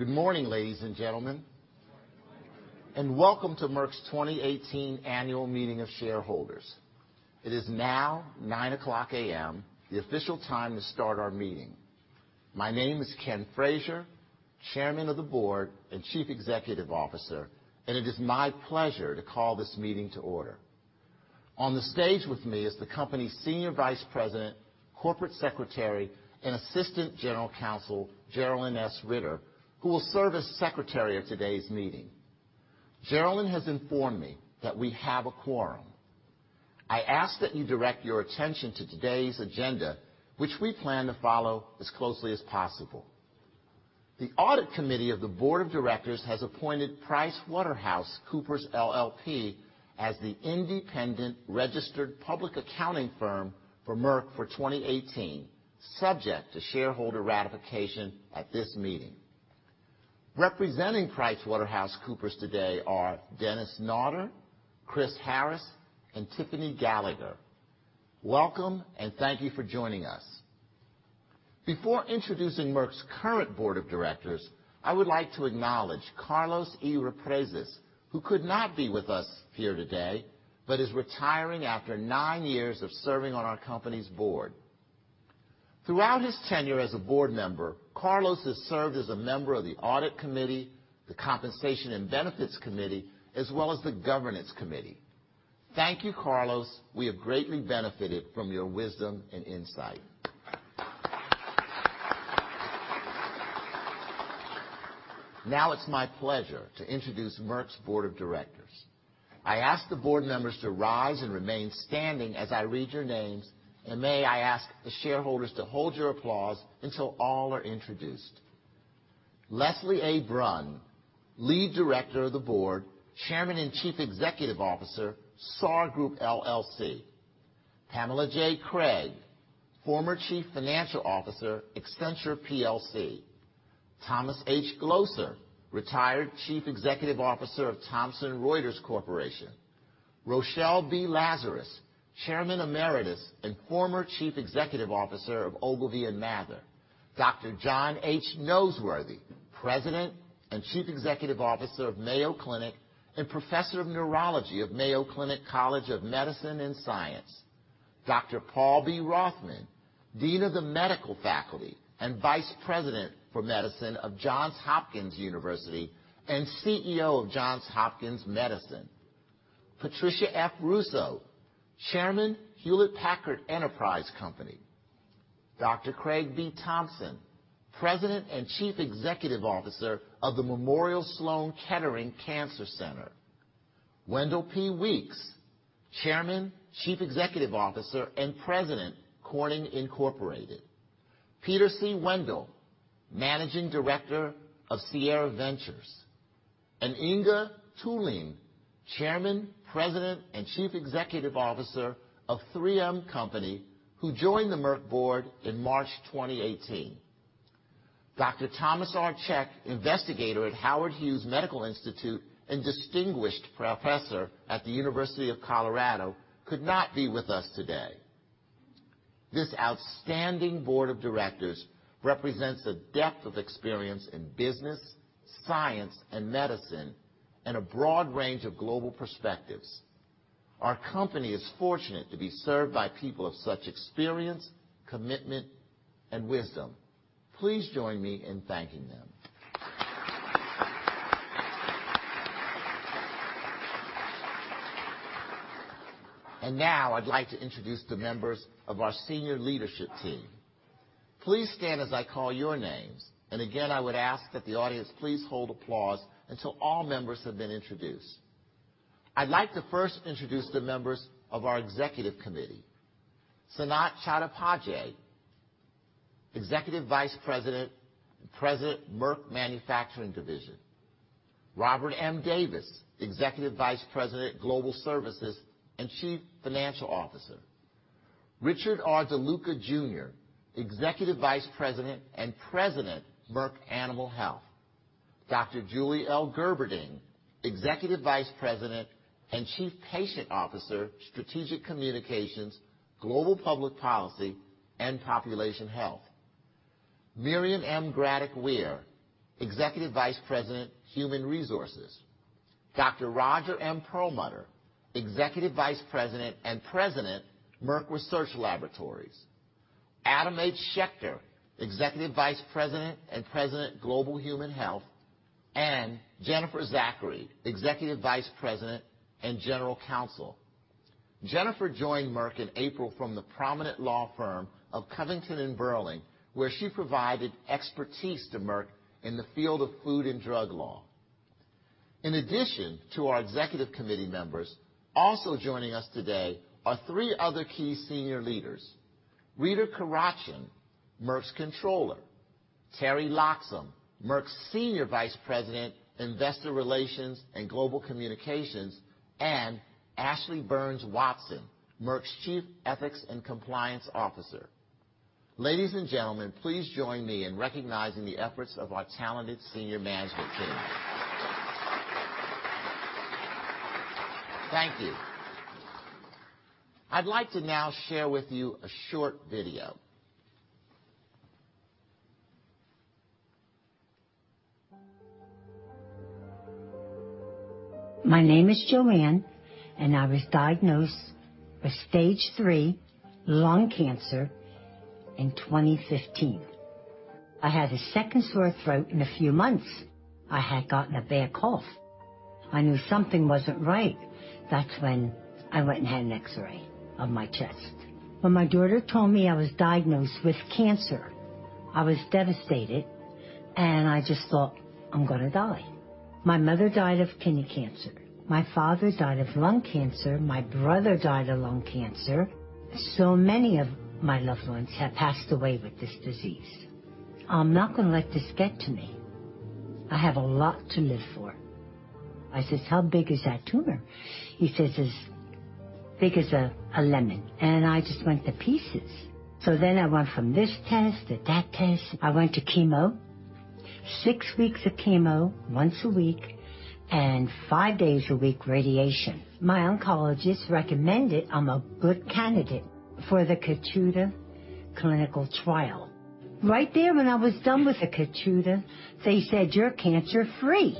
Good morning, ladies and gentlemen. Good morning. Welcome to Merck's 2018 annual meeting of shareholders. It is now 9:00 A.M., the official time to start our meeting. My name is Ken Frazier, Chairman of the Board and Chief Executive Officer, and it is my pleasure to call this meeting to order. On the stage with me is the company's Senior Vice President, Corporate Secretary, and Assistant General Counsel, Geralyn S. Ritter, who will serve as Secretary of today's meeting. Geralyn has informed me that we have a quorum. I ask that you direct your attention to today's agenda, which we plan to follow as closely as possible. The Audit Committee of the Board of Directors has appointed PricewaterhouseCoopers LLP as the independent registered public accounting firm for Merck for 2018, subject to shareholder ratification at this meeting. Representing PricewaterhouseCoopers today are Denis Naughter, Chris Harris, and Tiffany Gallagher. Welcome, and thank you for joining us. Before introducing Merck's current Board of Directors, I would like to acknowledge Carlos E. Represas, who could not be with us here today, but is retiring after nine years of serving on our company's board. Throughout his tenure as a board member, Carlos has served as a member of the Audit Committee, the Compensation and Benefits Committee, as well as the Governance Committee. Thank you, Carlos. We have greatly benefited from your wisdom and insight. Now it's my pleasure to introduce Merck's Board of Directors. I ask the board members to rise and remain standing as I read your names. May I ask the shareholders to hold your applause until all are introduced. Leslie A. Brun, Lead Director of the Board, Chairman and Chief Executive Officer, Sarr Group, LLC. Pamela J. Craig, former Chief Financial Officer, Accenture plc. Thomas H. Glocer, retired Chief Executive Officer of Thomson Reuters Corporation. Rochelle B. Lazarus, Chairman Emeritus and former Chief Executive Officer of Ogilvy & Mather. Dr. John H. Noseworthy, President and Chief Executive Officer of Mayo Clinic and Professor of Neurology of Mayo Clinic College of Medicine and Science. Dr. Paul B. Rothman, Dean of the Medical Faculty and Vice President for Medicine of Johns Hopkins University, and CEO of Johns Hopkins Medicine. Patricia F. Russo, Chairman, Hewlett Packard Enterprise company. Dr. Craig B. Thompson, President and Chief Executive Officer of the Memorial Sloan Kettering Cancer Center. Wendell P. Weeks, Chairman, Chief Executive Officer, and President, Corning Incorporated. Peter C. Wendell, Managing Director of Sierra Ventures. Inge Thulin, Chairman, President, and Chief Executive Officer of 3M Company, who joined the Merck board in March 2018. Dr. Thomas R. Cech, investigator at Howard Hughes Medical Institute and distinguished professor at the University of Colorado could not be with us today. This outstanding board of directors represents a depth of experience in business, science, and medicine, and a broad range of global perspectives. Our company is fortunate to be served by people of such experience, commitment, and wisdom. Please join me in thanking them. Now I'd like to introduce the members of our senior leadership team. Please stand as I call your names, and again, I would ask that the audience please hold applause until all members have been introduced. I'd like to first introduce the members of our executive committee. Sanat Chattopadhyay, Executive Vice President, Merck Manufacturing Division. Robert M. Davis, Executive Vice President, Global Services, and Chief Financial Officer. Richard R. DeLuca Jr., Executive Vice President and President, Merck Animal Health. Dr. Julie L. Gerberding, Executive Vice President and Chief Patient Officer, Strategic Communications, Global Public Policy, and Population Health. Miriam M. Graddick-Weir, Executive Vice President, Human Resources. Dr. Roger M. Perlmutter, Executive Vice President and President, Merck Research Laboratories. Adam H. Schechter, Executive Vice President and President, Global Human Health, and Jennifer Zachary, Executive Vice President and General Counsel. Jennifer joined Merck in April from the prominent law firm of Covington & Burling, where she provided expertise to Merck in the field of food and drug law. In addition to our executive committee members, also joining us today are three other key senior leaders. Rita Karachun, Merck's Controller. Teri Loxam, Merck's Senior Vice President, Investor Relations and Global Communications, and Ashley Burns Watson, Merck's Chief Ethics and Compliance Officer. Ladies and gentlemen, please join me in recognizing the efforts of our talented senior management. Thank you. I'd like to now share with you a short video. My name is Joanne, and I was diagnosed with stage 3 lung cancer in 2015. I had a second sore throat in a few months. I had gotten a bad cough. I knew something wasn't right. That's when I went and had an X-ray of my chest. When my daughter told me I was diagnosed with cancer, I was devastated, and I just thought, "I'm going to die." My mother died of kidney cancer. My father died of lung cancer. My brother died of lung cancer. Many of my loved ones have passed away with this disease. I'm not going to let this get to me. I have a lot to live for. I says, "How big is that tumor?" He says, "It's big as a lemon." I just went to pieces. I went from this test to that test. I went to chemo. Six weeks of chemo once a week, five days a week radiation. My oncologist recommended I'm a good candidate for the KEYTRUDA clinical trial. Right there when I was done with the KEYTRUDA, they said, "You're cancer-free."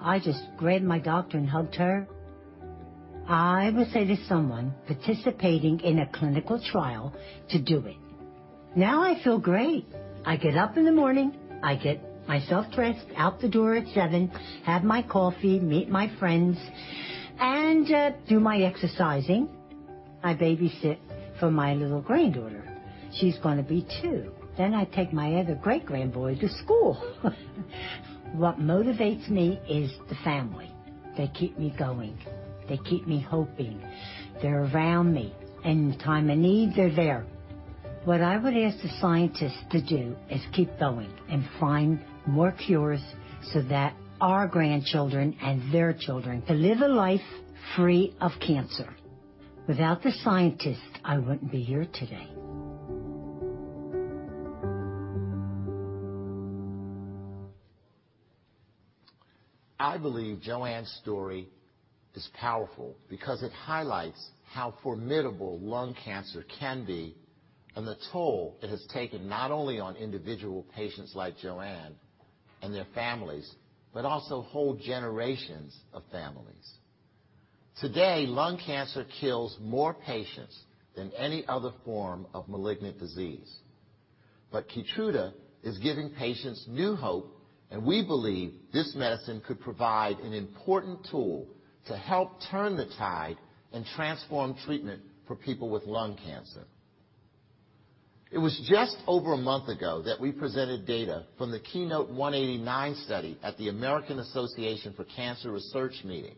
I just grabbed my doctor and hugged her. I would say to someone participating in a clinical trial to do it. Now I feel great. I get up in the morning, I get myself dressed, out the door at 7:00 A.M., have my coffee, meet my friends, and do my exercising. I babysit for my little granddaughter. She's going to be two. I take my other great-grandboy to school. What motivates me is the family. They keep me going. They keep me hoping. They're around me. Any time I need, they're there. What I would ask the scientists to do is keep going and find more cures so that our grandchildren and their children can live a life free of cancer. Without the scientists, I wouldn't be here today. I believe Joanne's story is powerful because it highlights how formidable lung cancer can be, and the toll it has taken, not only on individual patients like Joanne and their families, but also whole generations of families. Today, lung cancer kills more patients than any other form of malignant disease. KEYTRUDA is giving patients new hope, and we believe this medicine could provide an important tool to help turn the tide and transform treatment for people with lung cancer. It was just over a month ago that we presented data from the KEYNOTE-189 study at the American Association for Cancer Research meeting.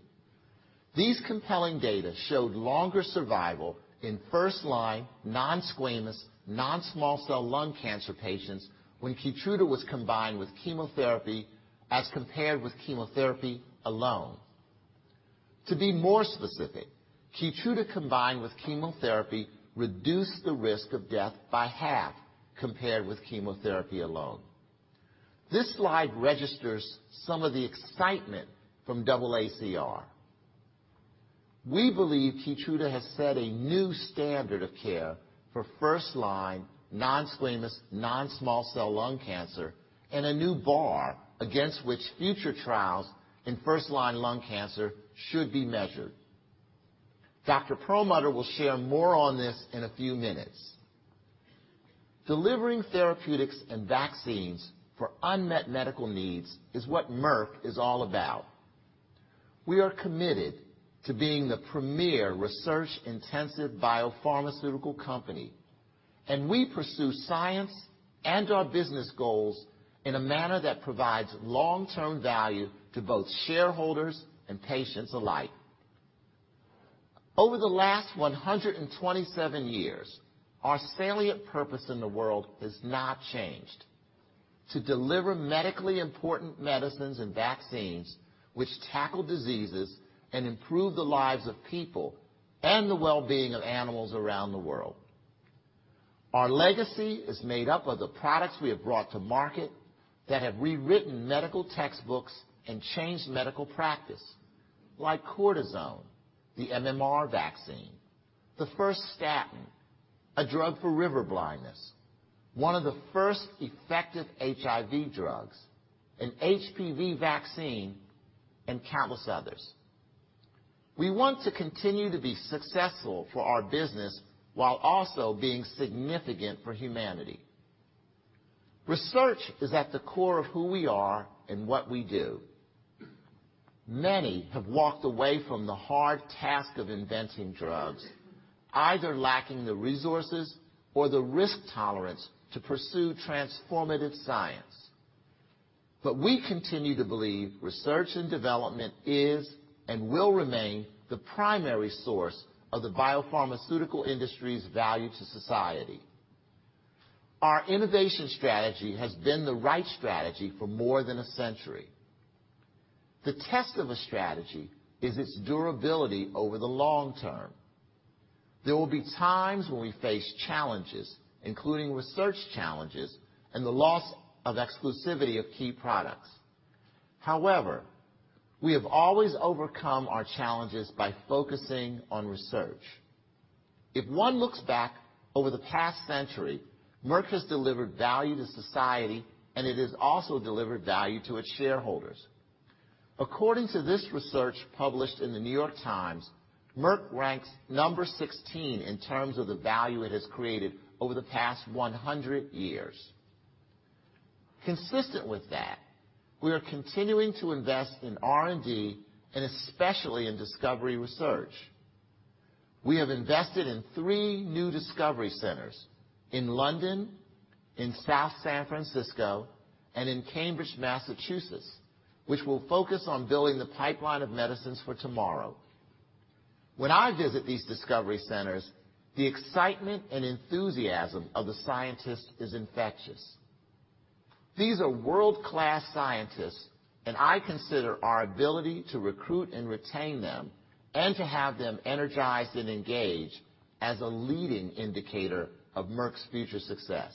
These compelling data showed longer survival in first-line non-squamous non-small cell lung cancer patients when KEYTRUDA was combined with chemotherapy as compared with chemotherapy alone. To be more specific, KEYTRUDA combined with chemotherapy reduced the risk of death by half compared with chemotherapy alone. This slide registers some of the excitement from AACR. We believe KEYTRUDA has set a new standard of care for first-line non-squamous non-small cell lung cancer and a new bar against which future trials in first-line lung cancer should be measured. Dr. Perlmutter will share more on this in a few minutes. Delivering therapeutics and vaccines for unmet medical needs is what Merck is all about. We are committed to being the premier research-intensive biopharmaceutical company, and we pursue science and our business goals in a manner that provides long-term value to both shareholders and patients alike. Over the last 127 years, our salient purpose in the world has not changed. To deliver medically important medicines and vaccines which tackle diseases and improve the lives of people and the well-being of animals around the world. Our legacy is made up of the products we have brought to market that have rewritten medical textbooks and changed medical practice, like cortisone, the MMR vaccine, the first statin, a drug for river blindness, one of the first effective HIV drugs, an HPV vaccine, and countless others. We want to continue to be successful for our business while also being significant for humanity. Research is at the core of who we are and what we do. Many have walked away from the hard task of inventing drugs, either lacking the resources or the risk tolerance to pursue transformative science. We continue to believe research and development is and will remain the primary source of the biopharmaceutical industry's value to society. Our innovation strategy has been the right strategy for more than a century. The test of a strategy is its durability over the long term. There will be times when we face challenges, including research challenges and the loss of exclusivity of key products. However, we have always overcome our challenges by focusing on research. If one looks back over the past century, Merck has delivered value to society, and it has also delivered value to its shareholders. According to this research published in "The New York Times," Merck ranks number 16 in terms of the value it has created over the past 100 years. Consistent with that, we are continuing to invest in R&D and especially in discovery research. We have invested in three new discovery centers, in London, in South San Francisco, and in Cambridge, Massachusetts, which will focus on building the pipeline of medicines for tomorrow. When I visit these discovery centers, the excitement and enthusiasm of the scientists is infectious. These are world-class scientists, and I consider our ability to recruit and retain them and to have them energized and engaged as a leading indicator of Merck's future success.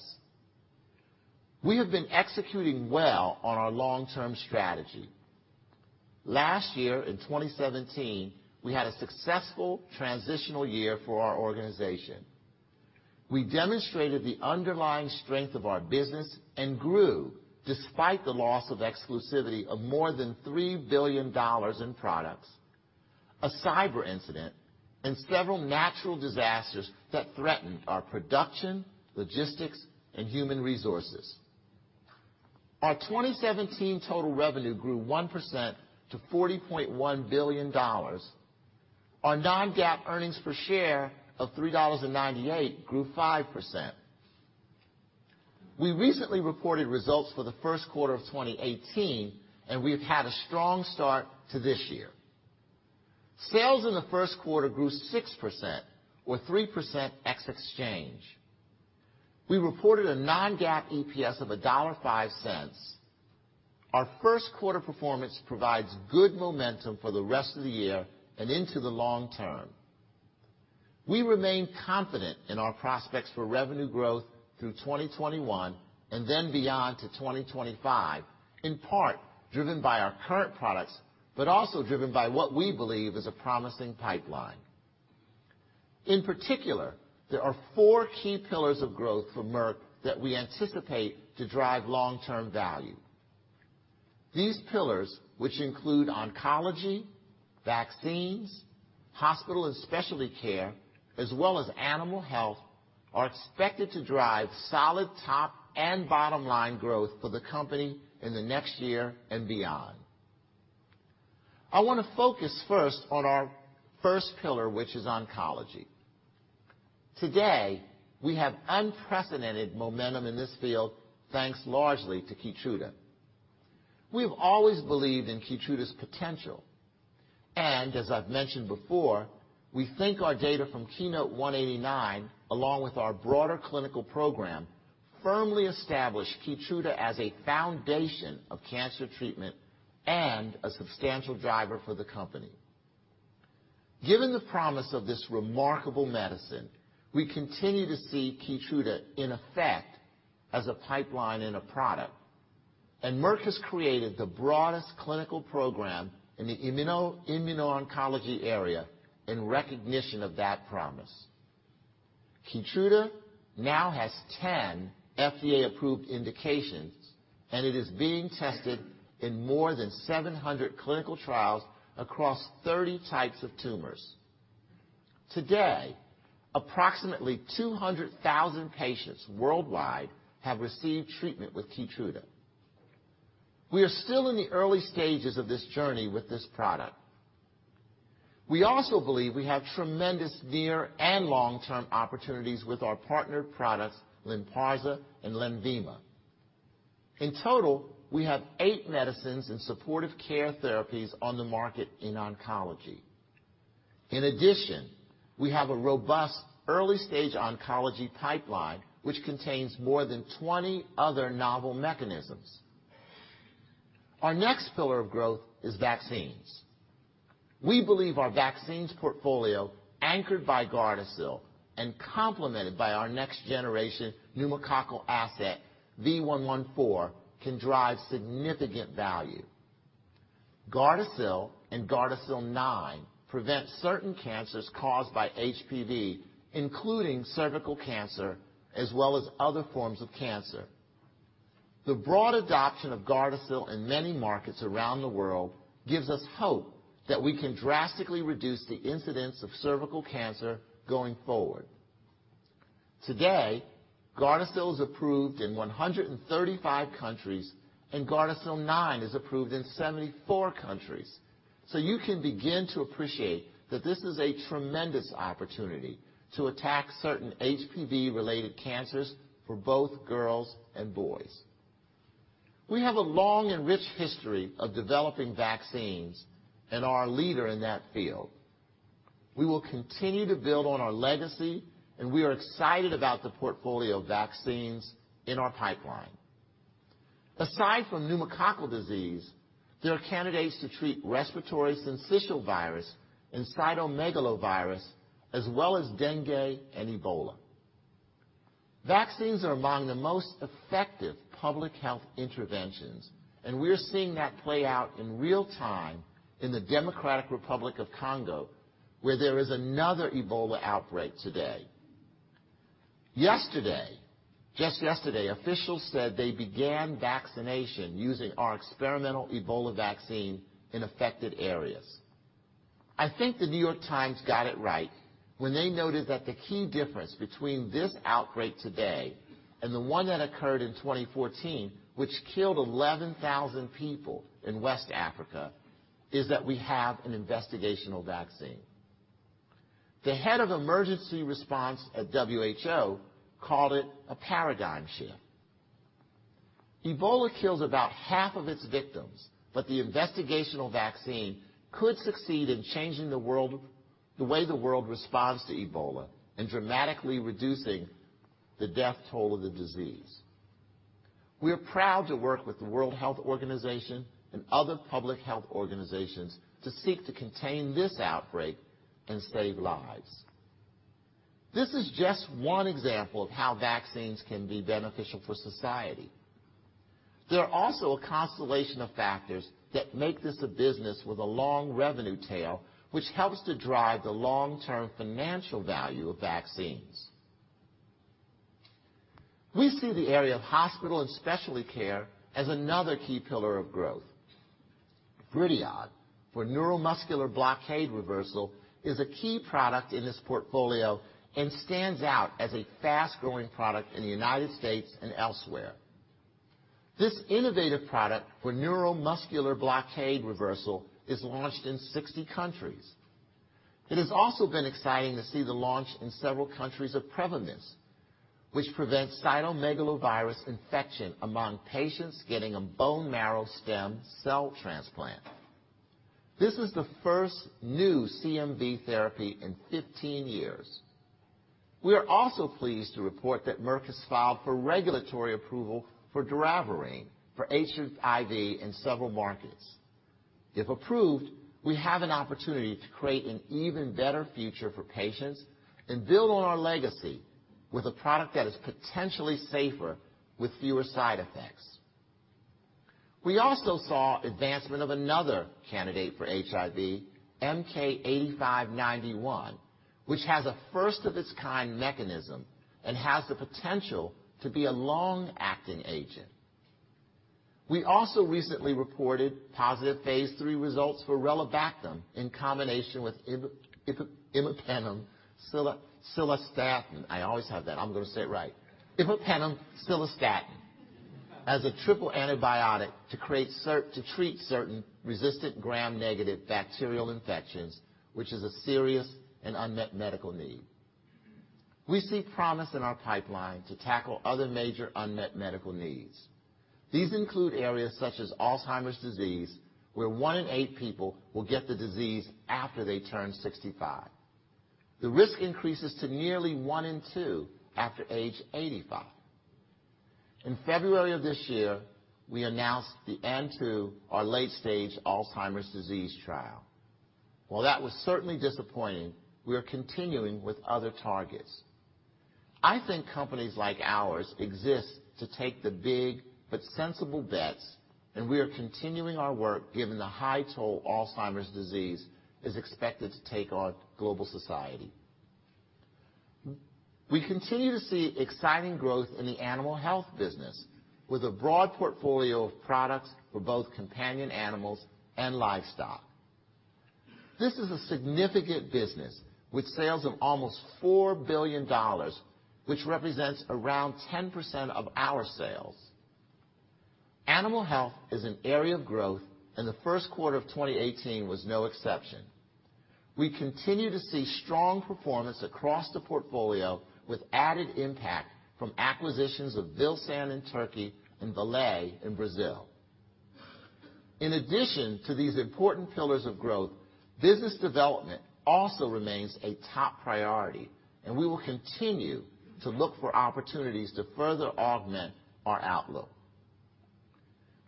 We have been executing well on our long-term strategy. Last year, in 2017, we had a successful transitional year for our organization. We demonstrated the underlying strength of our business and grew despite the loss of exclusivity of more than $3 billion in products, a cyber incident, and several natural disasters that threatened our production, logistics, and human resources. Our 2017 total revenue grew 1% to $40.1 billion. Our non-GAAP earnings per share of $3.98 grew 5%. We recently reported results for the first quarter of 2018. We have had a strong start to this year. Sales in the first quarter grew 6%, or 3% ex exchange. We reported a non-GAAP EPS of $1.05. Our first quarter performance provides good momentum for the rest of the year and into the long term. We remain confident in our prospects for revenue growth through 2021 and then beyond to 2025, in part driven by our current products, but also driven by what we believe is a promising pipeline. In particular, there are four key pillars of growth for Merck that we anticipate to drive long-term value. These pillars, which include oncology, vaccines, hospital and specialty care, as well as animal health, are expected to drive solid top and bottom-line growth for the company in the next year and beyond. I want to focus first on our first pillar, which is oncology. Today, we have unprecedented momentum in this field, thanks largely to KEYTRUDA. We have always believed in KEYTRUDA's potential. As I've mentioned before, we think our data from KEYNOTE-189, along with our broader clinical program, firmly established KEYTRUDA as a foundation of cancer treatment and a substantial driver for the company. Given the promise of this remarkable medicine, we continue to see KEYTRUDA in effect as a pipeline and a product. Merck has created the broadest clinical program in the immuno-oncology area in recognition of that promise. KEYTRUDA now has 10 FDA-approved indications, and it is being tested in more than 700 clinical trials across 30 types of tumors. Today, approximately 200,000 patients worldwide have received treatment with KEYTRUDA. We are still in the early stages of this journey with this product. We also believe we have tremendous near and long-term opportunities with our partnered products, Lynparza and LENVIMA. In total, we have eight medicines and supportive care therapies on the market in oncology. In addition, we have a robust early-stage oncology pipeline, which contains more than 20 other novel mechanisms. Our next pillar of growth is vaccines. We believe our vaccines portfolio, anchored by GARDASIL and complemented by our next-generation pneumococcal asset, V114, can drive significant value. GARDASIL and GARDASIL 9 prevent certain cancers caused by HPV, including cervical cancer as well as other forms of cancer. The broad adoption of GARDASIL in many markets around the world gives us hope that we can drastically reduce the incidence of cervical cancer going forward. Today, GARDASIL is approved in 135 countries, and GARDASIL 9 is approved in 74 countries. You can begin to appreciate that this is a tremendous opportunity to attack certain HPV-related cancers for both girls and boys. We have a long and rich history of developing vaccines and are a leader in that field. We will continue to build on our legacy, and we are excited about the portfolio of vaccines in our pipeline. Aside from pneumococcal disease, there are candidates to treat respiratory syncytial virus and cytomegalovirus, as well as dengue and Ebola. Vaccines are among the most effective public health interventions, we're seeing that play out in real time in the Democratic Republic of Congo, where there is another Ebola outbreak today. Yesterday, just yesterday, officials said they began vaccination using our experimental Ebola vaccine in affected areas. I think The New York Times got it right when they noted that the key difference between this outbreak today and the one that occurred in 2014, which killed 11,000 people in West Africa, is that we have an investigational vaccine. The head of emergency response at WHO called it a paradigm shift. Ebola kills about half of its victims, the investigational vaccine could succeed in changing the way the world responds to Ebola and dramatically reducing the death toll of the disease. We are proud to work with the World Health Organization and other public health organizations to seek to contain this outbreak and save lives. This is just one example of how vaccines can be beneficial for society. There are also a constellation of factors that make this a business with a long revenue tail, which helps to drive the long-term financial value of vaccines. We see the area of hospital and specialty care as another key pillar of growth. BRIDION, for neuromuscular blockade reversal, is a key product in this portfolio and stands out as a fast-growing product in the United States and elsewhere. This innovative product for neuromuscular blockade reversal is launched in 60 countries. It has also been exciting to see the launch in several countries of PREVYMIS, which prevents cytomegalovirus infection among patients getting a bone marrow stem cell transplant. This was the first new CMV therapy in 15 years. We are also pleased to report that Merck has filed for regulatory approval for doravirine for HIV in several markets. If approved, we have an opportunity to create an even better future for patients and build on our legacy with a product that is potentially safer with fewer side effects. We also saw advancement of another candidate for HIV, MK-8591, which has a first of its kind mechanism and has the potential to be a long-acting agent. We also recently reported positive phase III results for relebactam in combination with imipenem cilastatin. I always have that. I'm going to say it right. Imipenem cilastatin as a triple antibiotic to treat certain resistant gram-negative bacterial infections, which is a serious and unmet medical need. We see promise in our pipeline to tackle other major unmet medical needs. These include areas such as Alzheimer's disease, where one in eight people will get the disease after they turn 65. The risk increases to nearly one in two after age 85. In February of this year, we announced the end to our late-stage Alzheimer's disease trial. While that was certainly disappointing, we are continuing with other targets. I think companies like ours exist to take the big but sensible bets, and we are continuing our work given the high toll Alzheimer's disease is expected to take on global society. We continue to see exciting growth in the animal health business with a broad portfolio of products for both companion animals and livestock. This is a significant business with sales of almost $4 billion, which represents around 10% of our sales. Animal health is an area of growth, and the first quarter of 2018 was no exception. We continue to see strong performance across the portfolio with added impact from acquisitions of Vilsan in Turkey and Vallée in Brazil. In addition to these important pillars of growth, business development also remains a top priority, and we will continue to look for opportunities to further augment our outlook.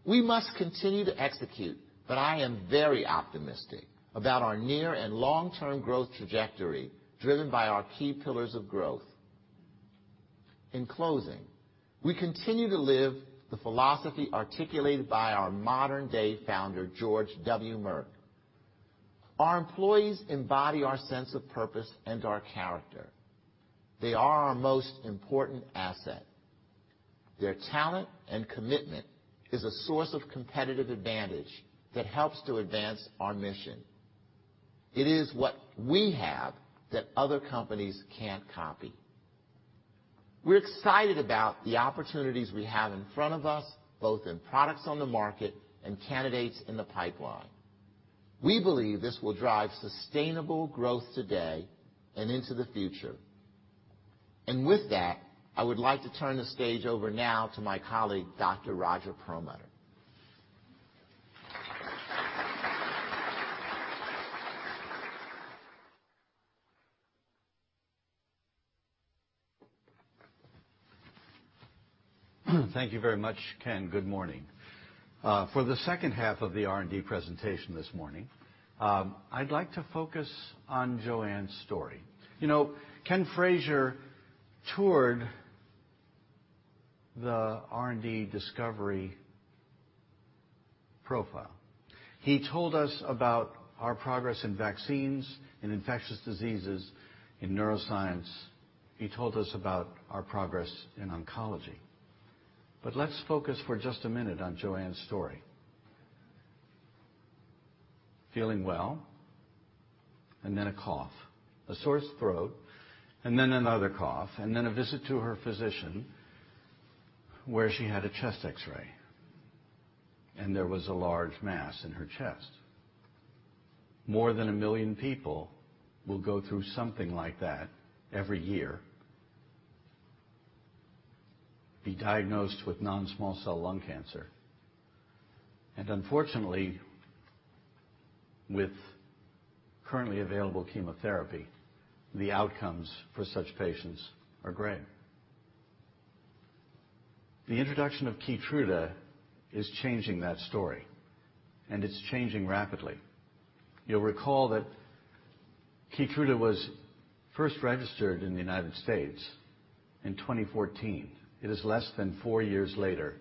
We must continue to execute, but I am very optimistic about our near and long-term growth trajectory driven by our key pillars of growth. In closing, we continue to live the philosophy articulated by our modern-day founder, George W. Merck. Our employees embody our sense of purpose and our character. They are our most important asset. Their talent and commitment is a source of competitive advantage that helps to advance our mission. It is what we have that other companies can't copy. We're excited about the opportunities we have in front of us, both in products on the market and candidates in the pipeline. We believe this will drive sustainable growth today and into the future. With that, I would like to turn the stage over now to my colleague, Dr. Roger Perlmutter. Thank you very much, Ken. Good morning. For the second half of the R&D presentation this morning, I'd like to focus on Joanne's story. Ken Frazier toured the R&D discovery profile. He told us about our progress in vaccines, in infectious diseases, in neuroscience. He told us about our progress in oncology. Let's focus for just a minute on Joanne's story. Feeling well, and then a cough. A sore throat, and then another cough, and then a visit to her physician, where she had a chest X-ray, and there was a large mass in her chest. More than a million people will go through something like that every year. Be diagnosed with non-small cell lung cancer. Unfortunately, with currently available chemotherapy, the outcomes for such patients are grim. The introduction of KEYTRUDA is changing that story, and it's changing rapidly. You'll recall that KEYTRUDA was first registered in the U.S. in 2014. It is less than four years later,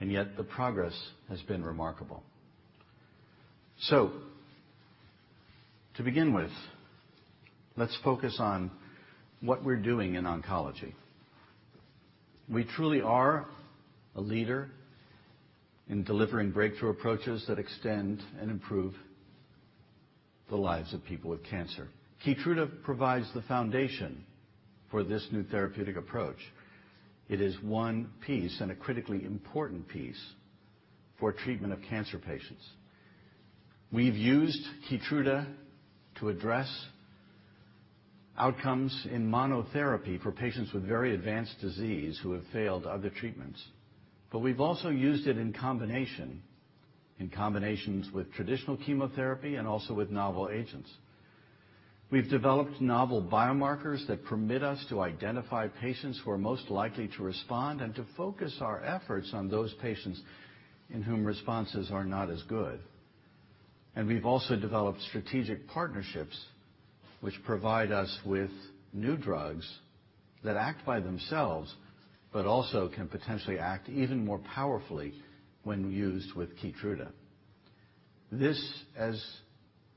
and yet the progress has been remarkable. To begin with, let's focus on what we're doing in oncology. We truly are a leader in delivering breakthrough approaches that extend and improve the lives of people with cancer. KEYTRUDA provides the foundation for this new therapeutic approach. It is one piece, and a critically important piece for treatment of cancer patients. We've used KEYTRUDA to address outcomes in monotherapy for patients with very advanced disease who have failed other treatments. We've also used it in combination, in combinations with traditional chemotherapy and also with novel agents. We've developed novel biomarkers that permit us to identify patients who are most likely to respond and to focus our efforts on those patients in whom responses are not as good. We've also developed strategic partnerships, which provide us with new drugs that act by themselves, but also can potentially act even more powerfully when used with KEYTRUDA. This, as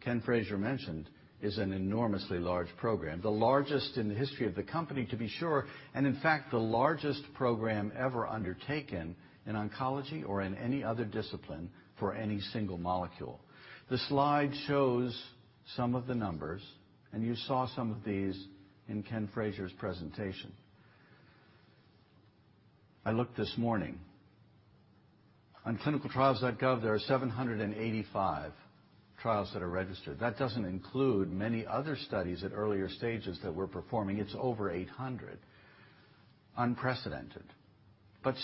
Ken Frazier mentioned, is an enormously large program, the largest in the history of the company, to be sure, and in fact, the largest program ever undertaken in oncology or in any other discipline for any single molecule. The slide shows some of the numbers, and you saw some of these in Ken Frazier's presentation. I looked this morning. On clinicaltrials.gov, there are 785 trials that are registered. That doesn't include many other studies at earlier stages that we're performing. It's over 800. Unprecedented.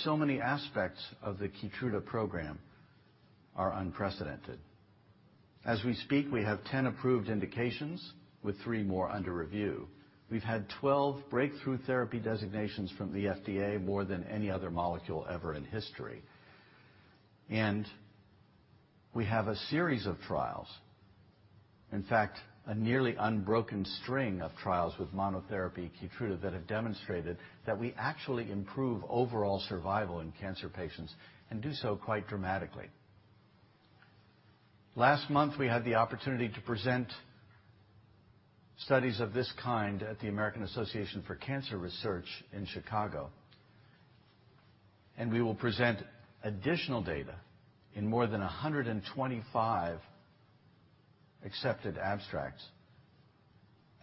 So many aspects of the KEYTRUDA program are unprecedented. As we speak, we have 10 approved indications with three more under review. We've had 12 breakthrough therapy designations from the FDA, more than any other molecule ever in history. We have a series of trials. In fact, a nearly unbroken string of trials with monotherapy KEYTRUDA that have demonstrated that we actually improve overall survival in cancer patients and do so quite dramatically. Last month, we had the opportunity to present studies of this kind at the American Association for Cancer Research in Chicago, and we will present additional data in more than 125 accepted abstracts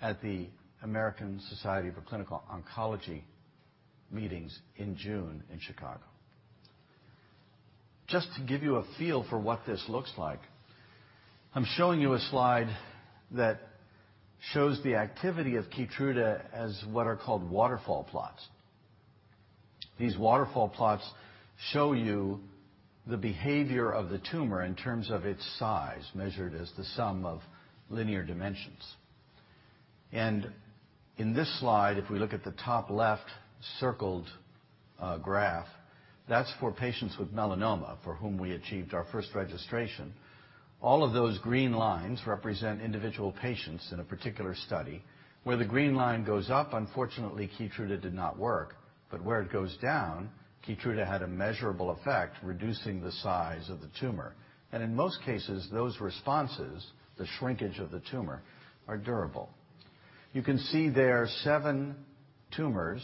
at the American Society of Clinical Oncology meetings in June in Chicago. Just to give you a feel for what this looks like, I'm showing you a slide that shows the activity of KEYTRUDA as what are called waterfall plots. These waterfall plots show you the behavior of the tumor in terms of its size, measured as the sum of linear dimensions. In this slide, if we look at the top left circled graph, that's for patients with melanoma for whom we achieved our first registration. All of those green lines represent individual patients in a particular study. Where the green line goes up, unfortunately, KEYTRUDA did not work, but where it goes down, KEYTRUDA had a measurable effect, reducing the size of the tumor. In most cases, those responses, the shrinkage of the tumor, are durable. You can see there seven tumors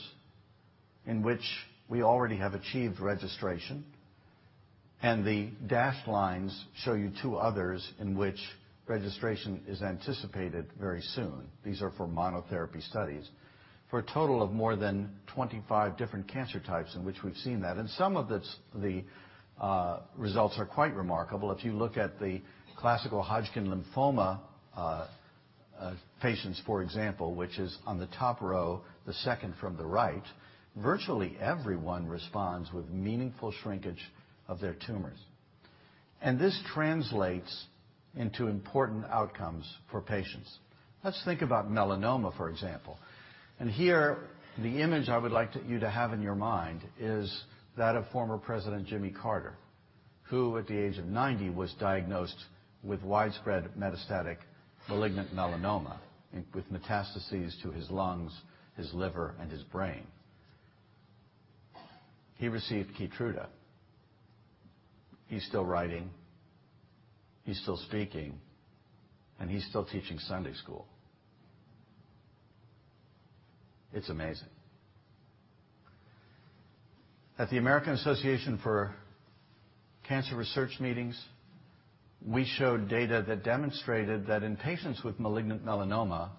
in which we already have achieved registration, and the dashed lines show you two others in which registration is anticipated very soon. These are for monotherapy studies for a total of more than 25 different cancer types in which we've seen that. Some of the results are quite remarkable. If you look at the classical Hodgkin lymphoma patients, for example, which is on the top row, the second from the right, virtually everyone responds with meaningful shrinkage of their tumors. This translates into important outcomes for patients. Let's think about melanoma, for example. Here, the image I would like you to have in your mind is that of former President Jimmy Carter, who at the age of 90, was diagnosed with widespread metastatic malignant melanoma with metastases to his lungs, his liver, and his brain. He received KEYTRUDA. He's still writing, he's still speaking, and he's still teaching Sunday school. It's amazing. At the American Association for Cancer Research meetings, we showed data that demonstrated that in patients with malignant melanoma,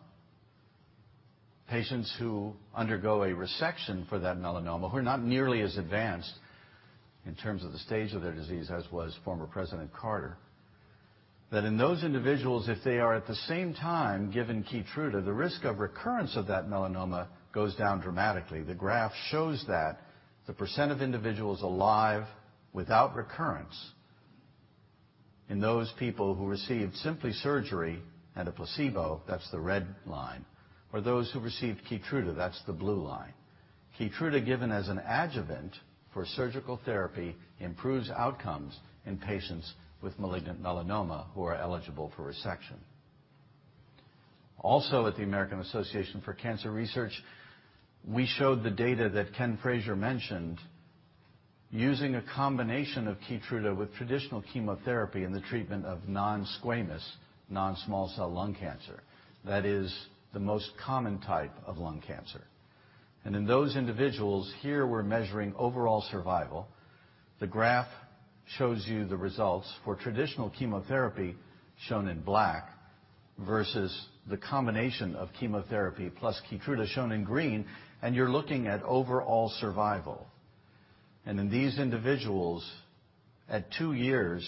patients who undergo a resection for that melanoma, who are not nearly as advanced in terms of the stage of their disease as was former President Jimmy Carter, that in those individuals, if they are at the same time given KEYTRUDA, the risk of recurrence of that melanoma goes down dramatically. The graph shows that the % of individuals alive without recurrence in those people who received simply surgery and a placebo, that's the red line, or those who received KEYTRUDA, that's the blue line. KEYTRUDA given as an adjuvant for surgical therapy improves outcomes in patients with malignant melanoma who are eligible for resection. Also at the American Association for Cancer Research, we showed the data that Ken Frazier mentioned using a combination of KEYTRUDA with traditional chemotherapy in the treatment of non-squamous non-small cell lung cancer. That is the most common type of lung cancer. In those individuals, here we're measuring overall survival. The graph shows you the results for traditional chemotherapy, shown in black, versus the combination of chemotherapy plus KEYTRUDA, shown in green, and you're looking at overall survival. In these individuals, at two years,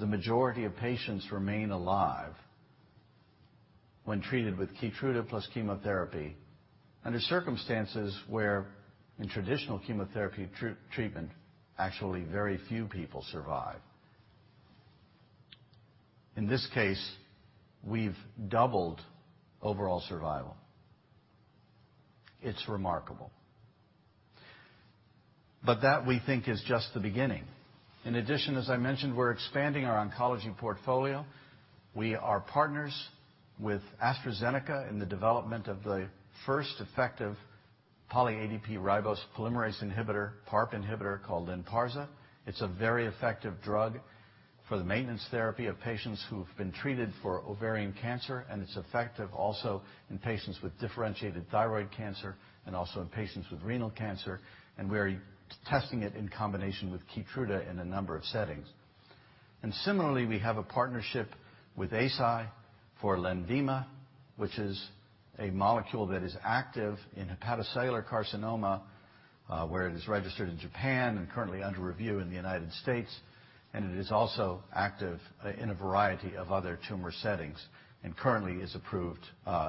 the majority of patients remain alive when treated with KEYTRUDA plus chemotherapy under circumstances where in traditional chemotherapy treatment, actually very few people survive. In this case, we've doubled overall survival. It's remarkable. That, we think, is just the beginning. In addition, as I mentioned, we're expanding our oncology portfolio. We are partners with AstraZeneca in the development of the first effective poly ADP-ribose polymerase inhibitor, PARP inhibitor, called LYNPARZA. It's a very effective drug for the maintenance therapy of patients who've been treated for ovarian cancer, and it's effective also in patients with differentiated thyroid cancer and also in patients with renal cancer. We're testing it in combination with KEYTRUDA in a number of settings. Similarly, we have a partnership with Eisai for LENVIMA, which is a molecule that is active in hepatocellular carcinoma, where it is registered in Japan and currently under review in the United States. It is also active in a variety of other tumor settings and currently is approved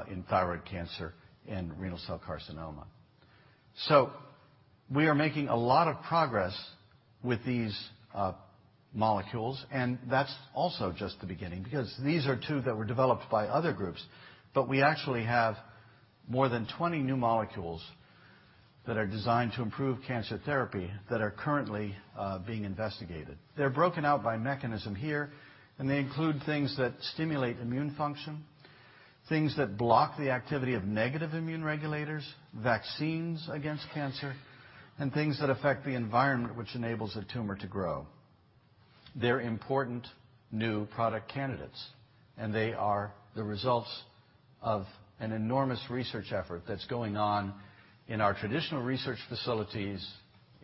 in thyroid cancer and renal cell carcinoma. We are making a lot of progress with these molecules, and that's also just the beginning because these are two that were developed by other groups. We actually have more than 20 new molecules that are designed to improve cancer therapy that are currently being investigated. They're broken out by mechanism here, and they include things that stimulate immune function, things that block the activity of negative immune regulators, vaccines against cancer, and things that affect the environment which enables a tumor to grow. They're important new product candidates, and they are the results of an enormous research effort that's going on in our traditional research facilities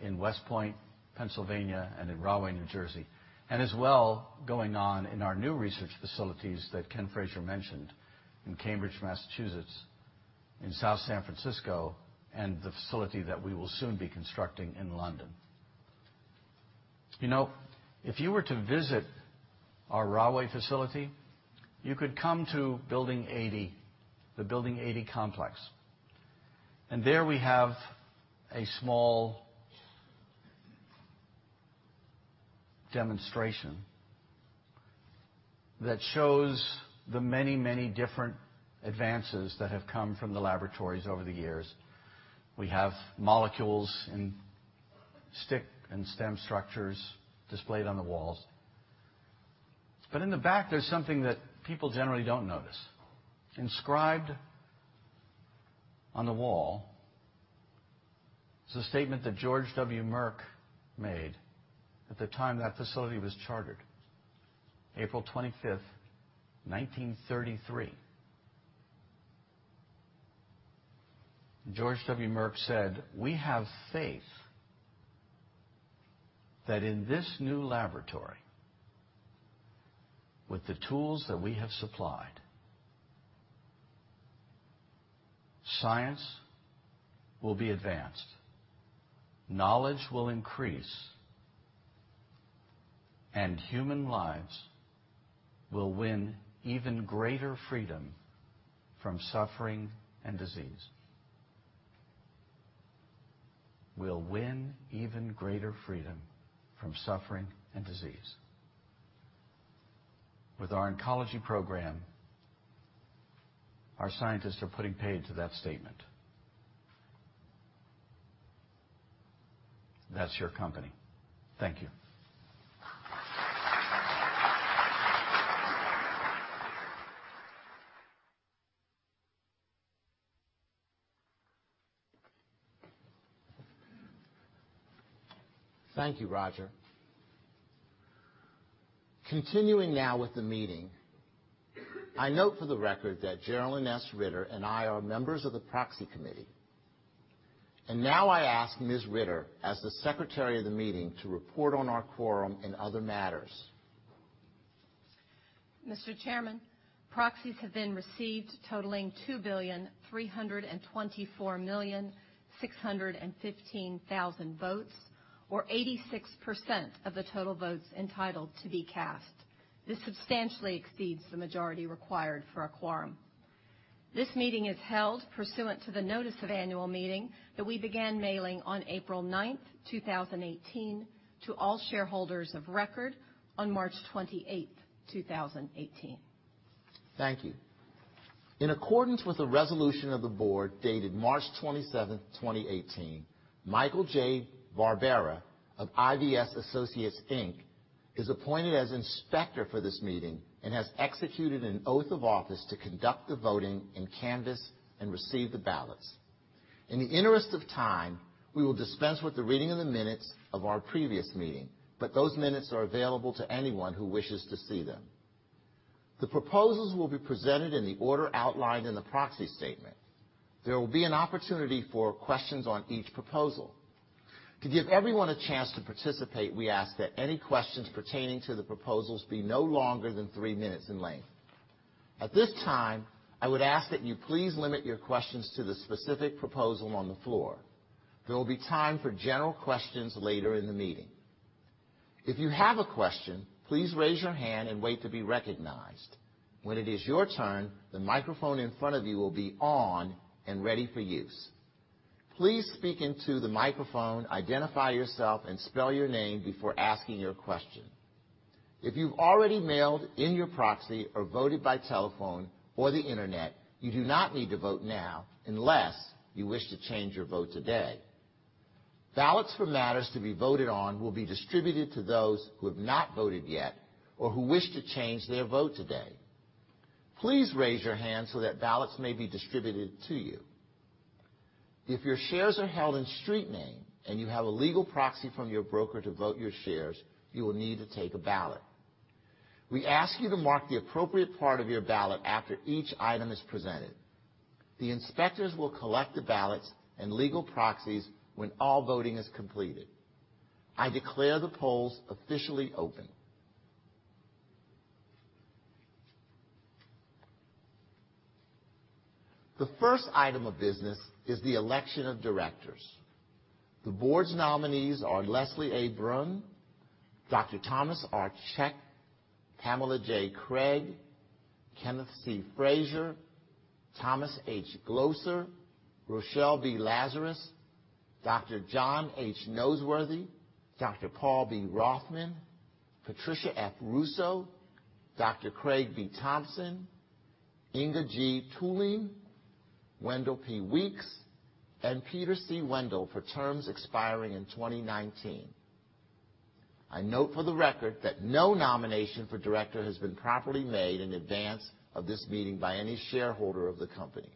in West Point, Pennsylvania and in Rahway, New Jersey, and as well going on in our new research facilities that Ken Frazier mentioned in Cambridge, Massachusetts, in South San Francisco, and the facility that we will soon be constructing in London. If you were to visit our Rahway facility, you could come to Building 80, the Building 80 campus complex. There we have a small demonstration that shows the many, many different advances that have come from the laboratories over the years. We have molecules and stick and stem structures displayed on the walls. In the back, there's something that people generally don't notice. Inscribed on the wall is a statement that George W. Merck made at the time that facility was chartered, April 25th, 1933. George W. Merck said, "We have faith that in this new laboratory with the tools that we have supplied, science will be advanced, knowledge will increase, and human lives will win even greater freedom from suffering and disease." We'll win even greater freedom from suffering and disease. With our oncology program, our scientists are putting paid to that statement. That's your company. Thank you. Thank you, Roger. Continuing now with the meeting, I note for the record that Geralyn S. Ritter and I are members of the proxy committee. Now I ask Ms. Ritter, as the secretary of the meeting, to report on our quorum and other matters. Mr. Chairman, proxies have been received totaling 2,324,615,000 votes, or 86% of the total votes entitled to be cast. This substantially exceeds the majority required for a quorum. This meeting is held pursuant to the notice of annual meeting that we began mailing on April 9th, 2018, to all shareholders of record on March 28th, 2018. Thank you. In accordance with the resolution of the board dated March 27th, 2018, Michael J. Barbera of IVS Associates, Inc. is appointed as inspector for this meeting and has executed an oath of office to conduct the voting and canvass and receive the ballots. In the interest of time, we will dispense with the reading of the minutes of our previous meeting, but those minutes are available to anyone who wishes to see them. The proposals will be presented in the order outlined in the proxy statement. There will be an opportunity for questions on each proposal. To give everyone a chance to participate, we ask that any questions pertaining to the proposals be no longer than three minutes in length. At this time, I would ask that you please limit your questions to the specific proposal on the floor. There will be time for general questions later in the meeting. If you have a question, please raise your hand and wait to be recognized. When it is your turn, the microphone in front of you will be on and ready for use. Please speak into the microphone, identify yourself, and spell your name before asking your question. If you've already mailed in your proxy or voted by telephone or the internet, you do not need to vote now unless you wish to change your vote today. Ballots for matters to be voted on will be distributed to those who have not voted yet or who wish to change their vote today. Please raise your hand so that ballots may be distributed to you. If your shares are held in street name and you have a legal proxy from your broker to vote your shares, you will need to take a ballot. We ask you to mark the appropriate part of your ballot after each item is presented. The inspectors will collect the ballots and legal proxies when all voting is completed. I declare the polls officially open. The first item of business is the election of directors. The board's nominees are Leslie A. Brun, Dr. Thomas R. Cech, Pamela J. Craig, Kenneth C. Frazier, Thomas H. Glocer, Rochelle B. Lazarus, Dr. John H. Noseworthy, Dr. Paul B. Rothman, Patricia F. Russo, Dr. Craig B. Thompson, Inge G. Thulin, Wendell P. Weeks, and Peter C. Wendell for terms expiring in 2019. I note for the record that no nomination for director has been properly made in advance of this meeting by any shareholder of the company.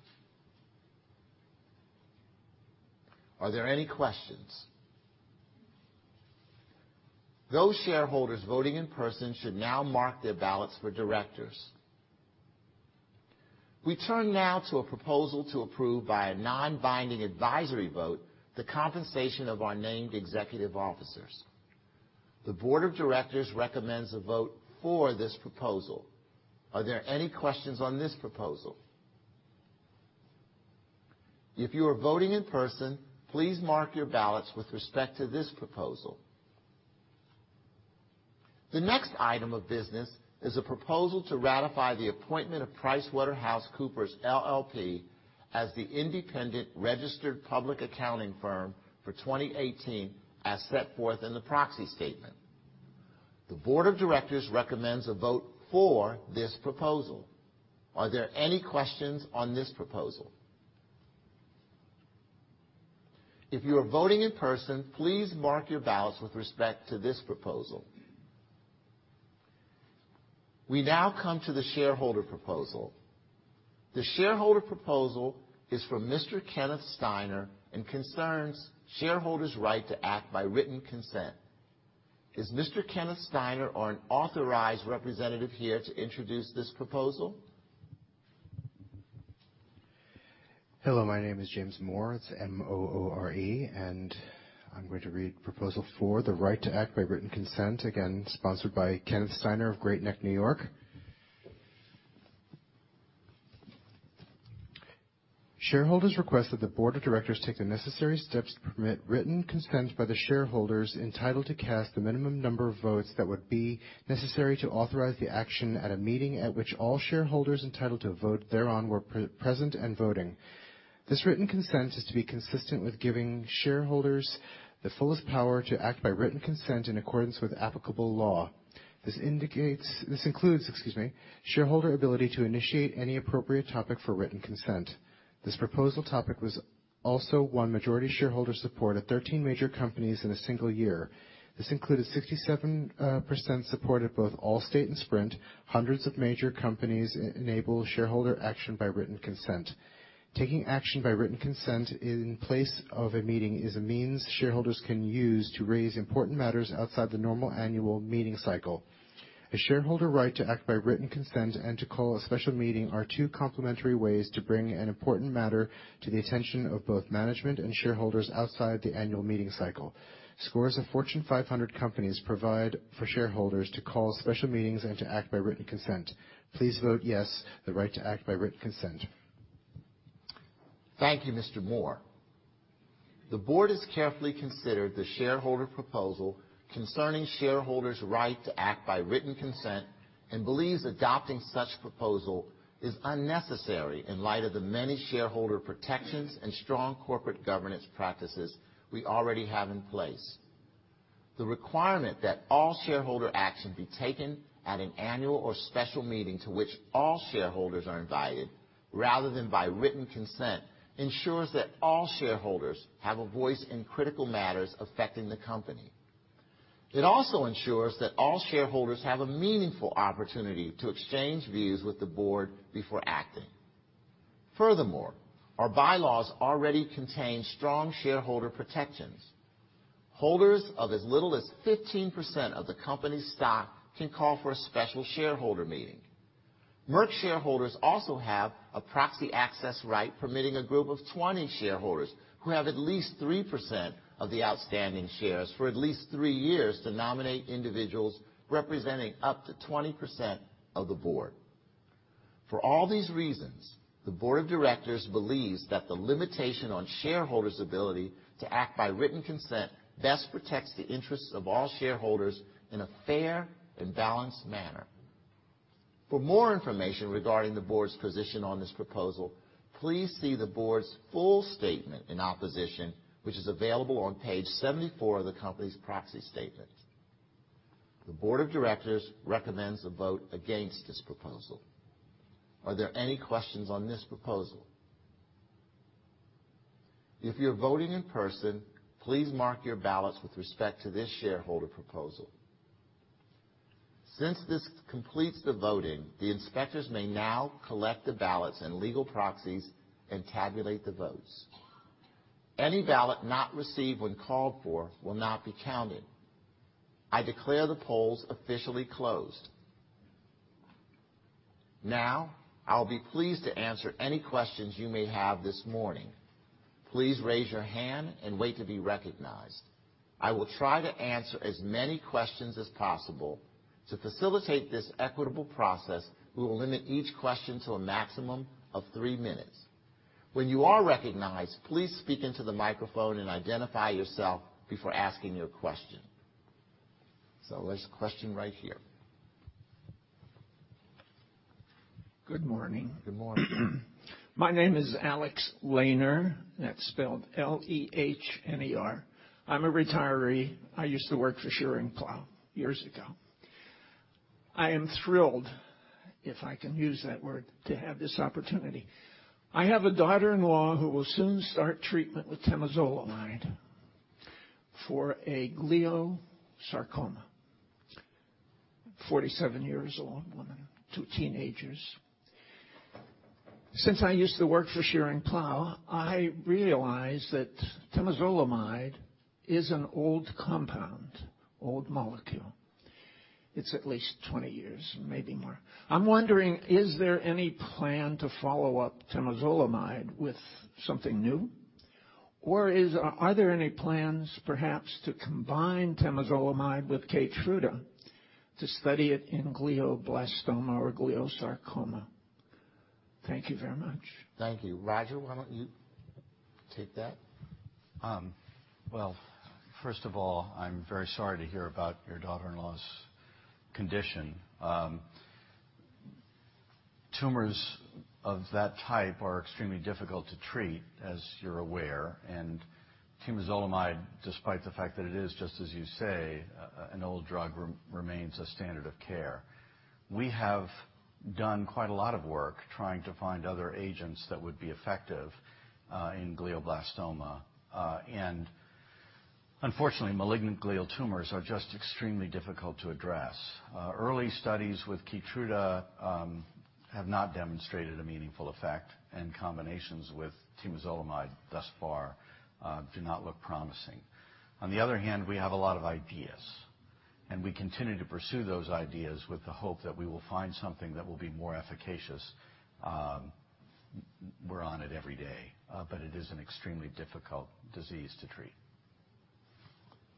Are there any questions? Those shareholders voting in person should now mark their ballots for directors. We turn now to a proposal to approve by a non-binding advisory vote the compensation of our named executive officers. The board of directors recommends a vote for this proposal. Are there any questions on this proposal? If you are voting in person, please mark your ballots with respect to this proposal. The next item of business is a proposal to ratify the appointment of PricewaterhouseCoopers LLP as the independent registered public accounting firm for 2018 as set forth in the proxy statement. The board of directors recommends a vote for this proposal. Are there any questions on this proposal? If you are voting in person, please mark your ballots with respect to this proposal. We now come to the shareholder proposal. The shareholder proposal is from Mr. Kenneth Steiner and concerns shareholders' right to act by written consent. Is Mr. Kenneth Steiner or an authorized representative here to introduce this proposal? Hello, my name is James Moore. It's M-O-O-R-E. I'm going to read Proposal 4, the right to act by written consent, again, sponsored by Kenneth Steiner of Great Neck, New York. "Shareholders request that the board of directors take the necessary steps to permit written consent by the shareholders entitled to cast the minimum number of votes that would be necessary to authorize the action at a meeting at which all shareholders entitled to vote thereon were present and voting." This written consent is to be consistent with giving shareholders the fullest power to act by written consent in accordance with applicable law. This includes shareholder ability to initiate any appropriate topic for written consent. This proposal topic was also one majority shareholder support at 13 major companies in a single year. This included 67% support at both Allstate and Sprint. Hundreds of major companies enable shareholder action by written consent. Taking action by written consent in place of a meeting is a means shareholders can use to raise important matters outside the normal annual meeting cycle. A shareholder right to act by written consent and to call a special meeting are two complementary ways to bring an important matter to the attention of both management and shareholders outside the annual meeting cycle. Scores of Fortune 500 companies provide for shareholders to call special meetings and to act by written consent. Please vote yes, the right to act by written consent. Thank you, Mr. Moore. The board has carefully considered the shareholder proposal concerning shareholders' right to act by written consent and believes adopting such proposal is unnecessary in light of the many shareholder protections and strong corporate governance practices we already have in place. The requirement that all shareholder action be taken at an annual or special meeting to which all shareholders are invited rather than by written consent ensures that all shareholders have a voice in critical matters affecting the company. It also ensures that all shareholders have a meaningful opportunity to exchange views with the board before acting. Furthermore, our bylaws already contain strong shareholder protections. Holders of as little as 15% of the company's stock can call for a special shareholder meeting. Merck shareholders also have a proxy access right permitting a group of 20 shareholders who have at least 3% of the outstanding shares for at least three years to nominate individuals representing up to 20% of the board. For all these reasons, the board of directors believes that the limitation on shareholders' ability to act by written consent best protects the interests of all shareholders in a fair and balanced manner. For more information regarding the board's position on this proposal, please see the board's full statement in opposition, which is available on page 74 of the company's proxy statement. The board of directors recommends a vote against this proposal. Are there any questions on this proposal? If you're voting in person, please mark your ballots with respect to this shareholder proposal. Since this completes the voting, the inspectors may now collect the ballots and legal proxies and tabulate the votes. Any ballot not received when called for will not be counted. I declare the polls officially closed. Now, I'll be pleased to answer any questions you may have this morning. Please raise your hand and wait to be recognized. I will try to answer as many questions as possible. To facilitate this equitable process, we will limit each question to a maximum of three minutes. When you are recognized, please speak into the microphone and identify yourself before asking your question. There's a question right here. Good morning. Good morning. My name is Alex Lehner. That's spelled L-E-H-N-E-R. I'm a retiree. I used to work for Schering-Plough years ago. I am thrilled, if I can use that word, to have this opportunity. I have a daughter-in-law who will soon start treatment with temozolomide for a glioblastoma. 47 years old woman, two teenagers. Since I used to work for Schering-Plough, I realize that temozolomide is an old compound, old molecule. It's at least 20 years, maybe more. I'm wondering, is there any plan to follow up temozolomide with something new? Are there any plans, perhaps, to combine temozolomide with KEYTRUDA to study it in glioblastoma or glioblastoma? Thank you very much. Thank you. Roger, why don't you take that? Well, first of all, I'm very sorry to hear about your daughter-in-law's condition. Tumors of that type are extremely difficult to treat, as you're aware, and temozolomide, despite the fact that it is just as you say, an old drug remains a standard of care. We have done quite a lot of work trying to find other agents that would be effective in glioblastoma. Unfortunately, malignant glial tumors are just extremely difficult to address. Early studies with KEYTRUDA have not demonstrated a meaningful effect, and combinations with temozolomide thus far do not look promising. On the other hand, we have a lot of ideas, and we continue to pursue those ideas with the hope that we will find something that will be more efficacious. We're on it every day, but it is an extremely difficult disease to treat.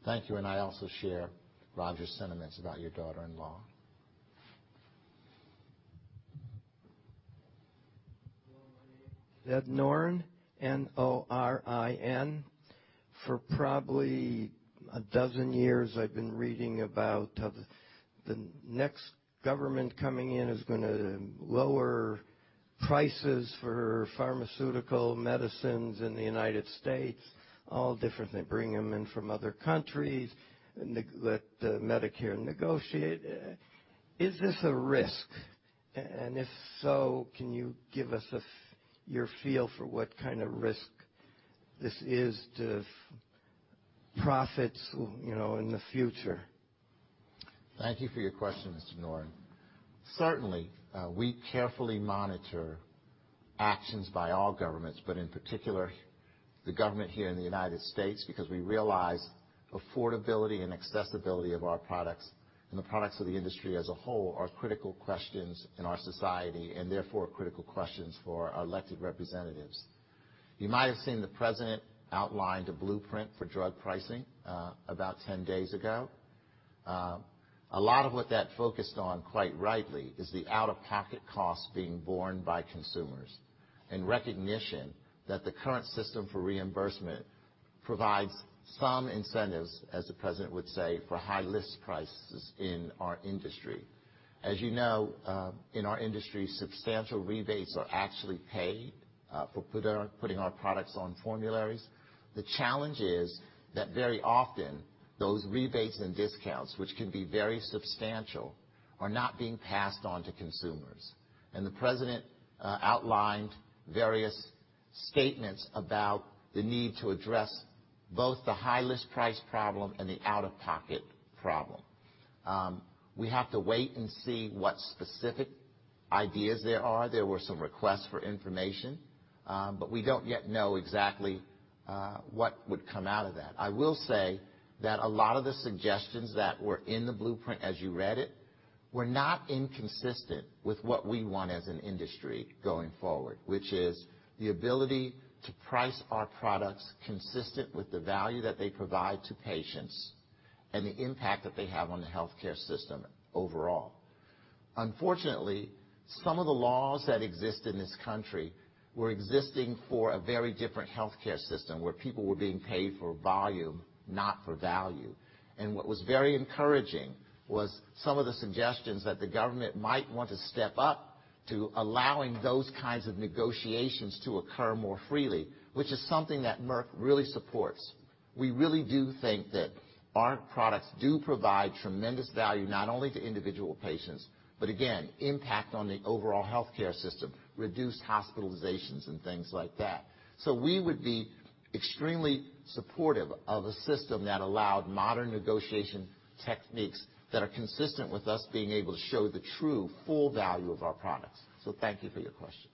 Thank you, and I also share Roger's sentiments about your daughter-in-law. Ed Norin. N-O-R-I-N For probably a dozen years, I've been reading about how the next government coming in is going to lower prices for pharmaceutical medicines in the United States, all different things, bring them in from other countries, let Medicare negotiate. Is this a risk? If so, can you give us your feel for what kind of risk this is to profits in the future? Thank you for your question, Mr. Norin. Certainly, we carefully monitor actions by all governments. In particular, the government here in the United States, because we realize affordability and accessibility of our products, and the products of the industry as a whole, are critical questions in our society. Therefore, critical questions for our elected representatives. You might have seen the president outlined a blueprint for drug pricing about 10 days ago. A lot of what that focused on, quite rightly, is the out-of-pocket cost being borne by consumers, and recognition that the current system for reimbursement provides some incentives, as the president would say, for high list prices in our industry. As you know, in our industry, substantial rebates are actually paid for putting our products on formularies. The challenge is that very often, those rebates and discounts, which can be very substantial, are not being passed on to consumers. The president outlined various statements about the need to address both the high list price problem and the out-of-pocket problem. We have to wait and see what specific ideas there are. There were some requests for information, but we don't yet know exactly what would come out of that. I will say that a lot of the suggestions that were in the blueprint as you read it, were not inconsistent with what we want as an industry going forward, which is the ability to price our products consistent with the value that they provide to patients and the impact that they have on the healthcare system overall. What was very encouraging was some of the suggestions that the government might want to step up to allowing those kinds of negotiations to occur more freely, which is something that Merck really supports. We really do think that our products do provide tremendous value, not only to individual patients, but again, impact on the overall healthcare system, reduced hospitalizations and things like that. So we would be extremely supportive of a system that allowed modern negotiation techniques that are consistent with us being able to show the true, full value of our products. So thank you for your question.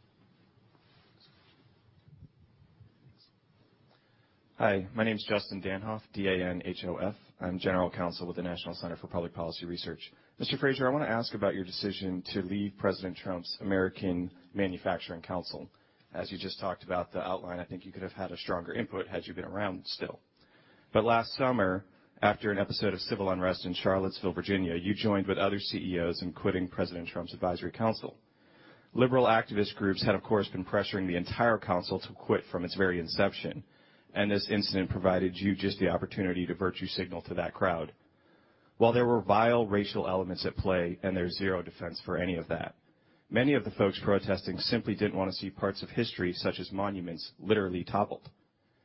Hi, my name's Justin Danhof, D-A-N-H-O-F. I'm General Counsel with the National Center for Public Policy Research. Mr. Frazier, I want to ask about your decision to leave President Trump's American Manufacturing Council. As you just talked about the outline, I think you could have had a stronger input had you been around still. But last summer, after an episode of civil unrest in Charlottesville, Virginia, you joined with other CEOs in quitting President Trump's advisory council. Liberal activist groups had, of course, been pressuring the entire council to quit from its very inception, and this incident provided you just the opportunity to virtue signal to that crowd. While there were vile racial elements at play, and there's zero defense for any of that, many of the folks protesting simply didn't want to see parts of history, such as monuments, literally toppled.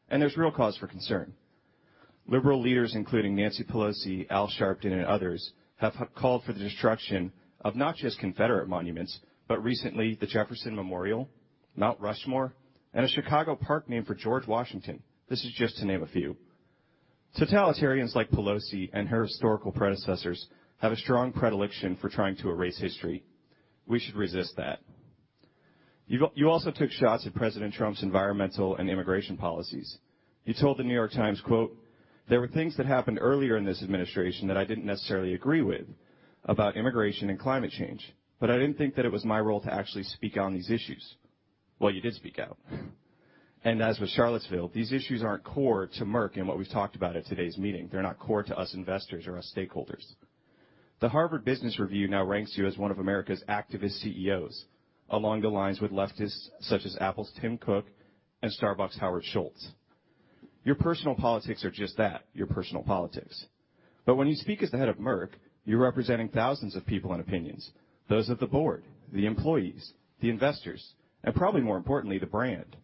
There's real cause for concern. Liberal leaders, including Nancy Pelosi, Al Sharpton, and others, have called for the destruction of not just Confederate monuments, but recently, the Jefferson Memorial, Mount Rushmore, and a Chicago park named for George Washington. This is just to name a few. Totalitarians like Pelosi and her historical predecessors have a strong predilection for trying to erase history. We should resist that. You also took shots at President Trump's environmental and immigration policies. You told The New York Times, quote, "There were things that happened earlier in this administration that I didn't necessarily agree with about immigration and climate change, but I didn't think that it was my role to actually speak out on these issues." Well, you did speak out. As with Charlottesville, these issues aren't core to Merck and what we've talked about at today's meeting. They're not core to us investors or us stakeholders. The Harvard Business Review now ranks you as one of America's activist CEOs, along the lines with leftists such as Apple's Tim Cook and Starbucks' Howard Schultz. Your personal politics are just that, your personal politics. When you speak as the head of Merck, you're representing thousands of people and opinions, those of the board, the employees, the investors, and probably more importantly, the brand.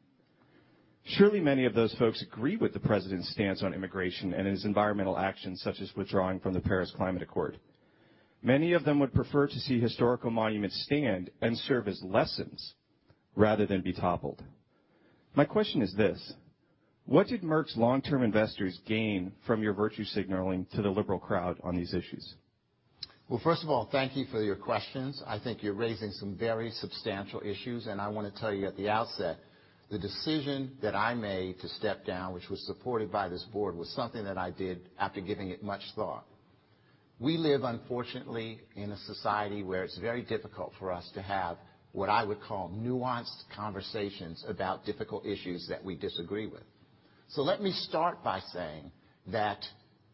Surely many of those folks agree with the president's stance on immigration and his environmental actions, such as withdrawing from the Paris Climate Accord. Many of them would prefer to see historical monuments stand and serve as lessons rather than be toppled. My question is this: What did Merck's long-term investors gain from your virtue signaling to the liberal crowd on these issues? Well, first of all, thank you for your questions. I think you're raising some very substantial issues, I want to tell you at the outset, the decision that I made to step down, which was supported by this board, was something that I did after giving it much thought. We live, unfortunately, in a society where it's very difficult for us to have, what I would call, nuanced conversations about difficult issues that we disagree with. Let me start by saying that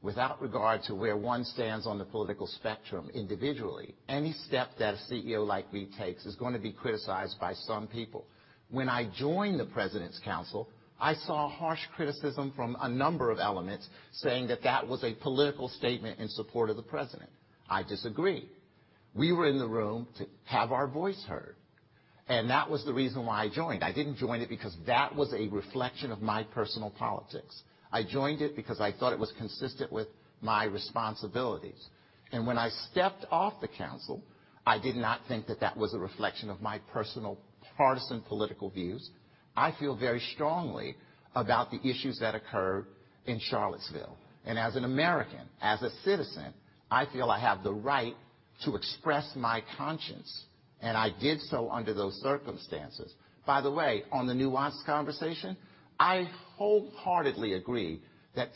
without regard to where one stands on the political spectrum individually, any step that a CEO like me takes is going to be criticized by some people. When I joined the President's Council, I saw harsh criticism from a number of elements, saying that that was a political statement in support of the president. I disagree. We were in the room to have our voice heard, that was the reason why I joined. I didn't join it because that was a reflection of my personal politics. I joined it because I thought it was consistent with my responsibilities. When I stepped off the council, I did not think that that was a reflection of my personal partisan political views. I feel very strongly about the issues that occurred in Charlottesville. As an American, as a citizen, I feel I have the right to express my conscience, and I did so under those circumstances. By the way, on the nuanced conversation, I wholeheartedly agree that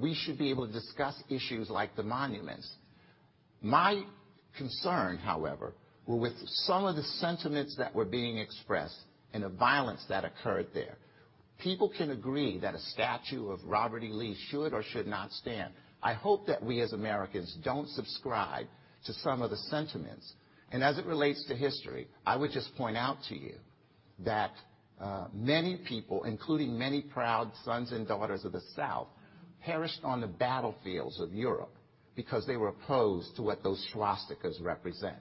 we should be able to discuss issues like the monuments. My concern, however, were with some of the sentiments that were being expressed and the violence that occurred there. People can agree that a statue of Robert E. Lee should or should not stand. I hope that we, as Americans, don't subscribe to some of the sentiments. As it relates to history, I would just point out to you that many people, including many proud sons and daughters of the South, perished on the battlefields of Europe because they were opposed to what those swastikas represent.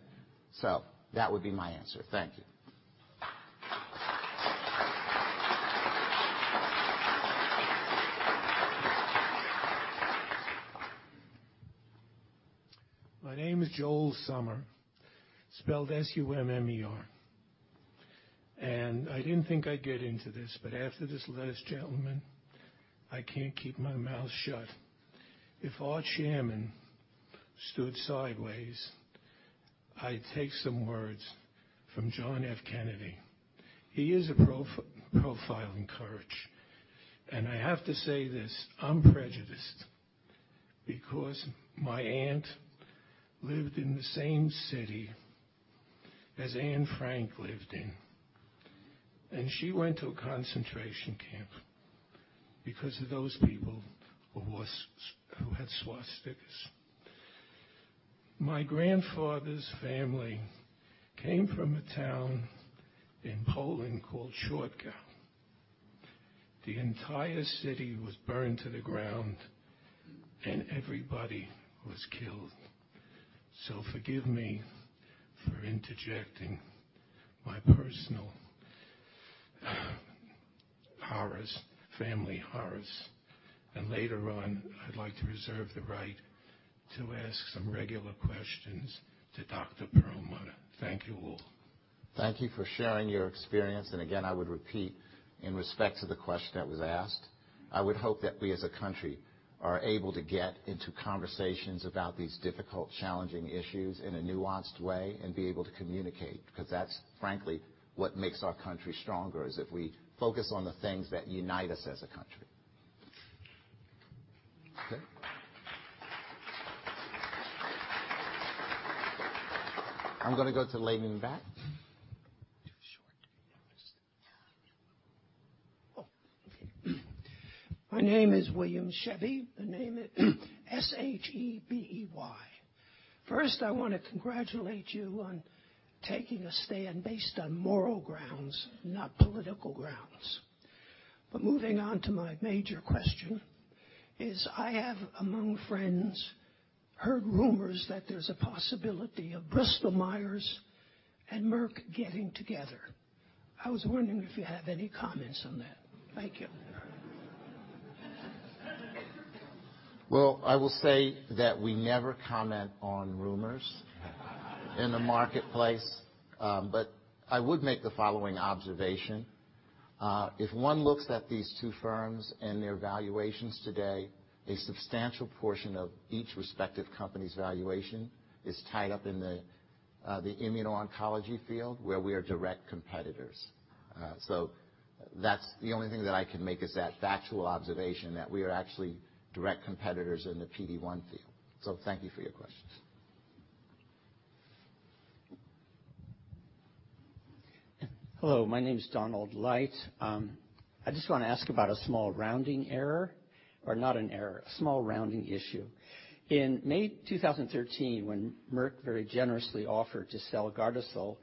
That would be my answer. Thank you. My name is Joel Summer, spelled S-U-M-M-E-R. I didn't think I'd get into this, but after this last gentleman, I can't keep my mouth shut. If our chairman stood sideways, I'd take some words from John F. Kennedy. He is a profile in courage, and I have to say this, I'm prejudiced because my aunt lived in the same city as Anne Frank lived in, and she went to a concentration camp because of those people who had swastikas. My grandfather's family came from a town in Poland called Złoczów. The entire city was burned to the ground, and everybody was killed. Forgive me for interjecting my personal horrors, family horrors. Later on, I'd like to reserve the right to ask some regular questions to Dr. Perlmutter. Thank you all. Thank you for sharing your experience. Again, I would repeat, in respect to the question that was asked, I would hope that we, as a country, are able to get into conversations about these difficult, challenging issues in a nuanced way and be able to communicate, because that's frankly what makes our country stronger, is if we focus on the things that unite us as a country. Okay. I'm going to go to the lady in the back. Too short to be noticed. Yeah. Okay. My name is William Shebey. The name is S-H-E-B-E-Y. First, I want to congratulate you on taking a stand based on moral grounds, not political grounds. Moving on to my major question is, I have, among friends, heard rumors that there's a possibility of Bristol-Myers and Merck getting together. I was wondering if you have any comments on that. Thank you. I will say that we never comment on rumors in the marketplace. I would make the following observation. If one looks at these two firms and their valuations today, a substantial portion of each respective company's valuation is tied up in the immuno-oncology field, where we are direct competitors. That's the only thing that I can make, is that factual observation that we are actually direct competitors in the PD-1 field. Thank you for your questions. Hello, my name is Donald Light. I just want to ask about a small rounding error, or not an error, a small rounding issue. In May 2013, when Merck very generously offered to sell GARDASIL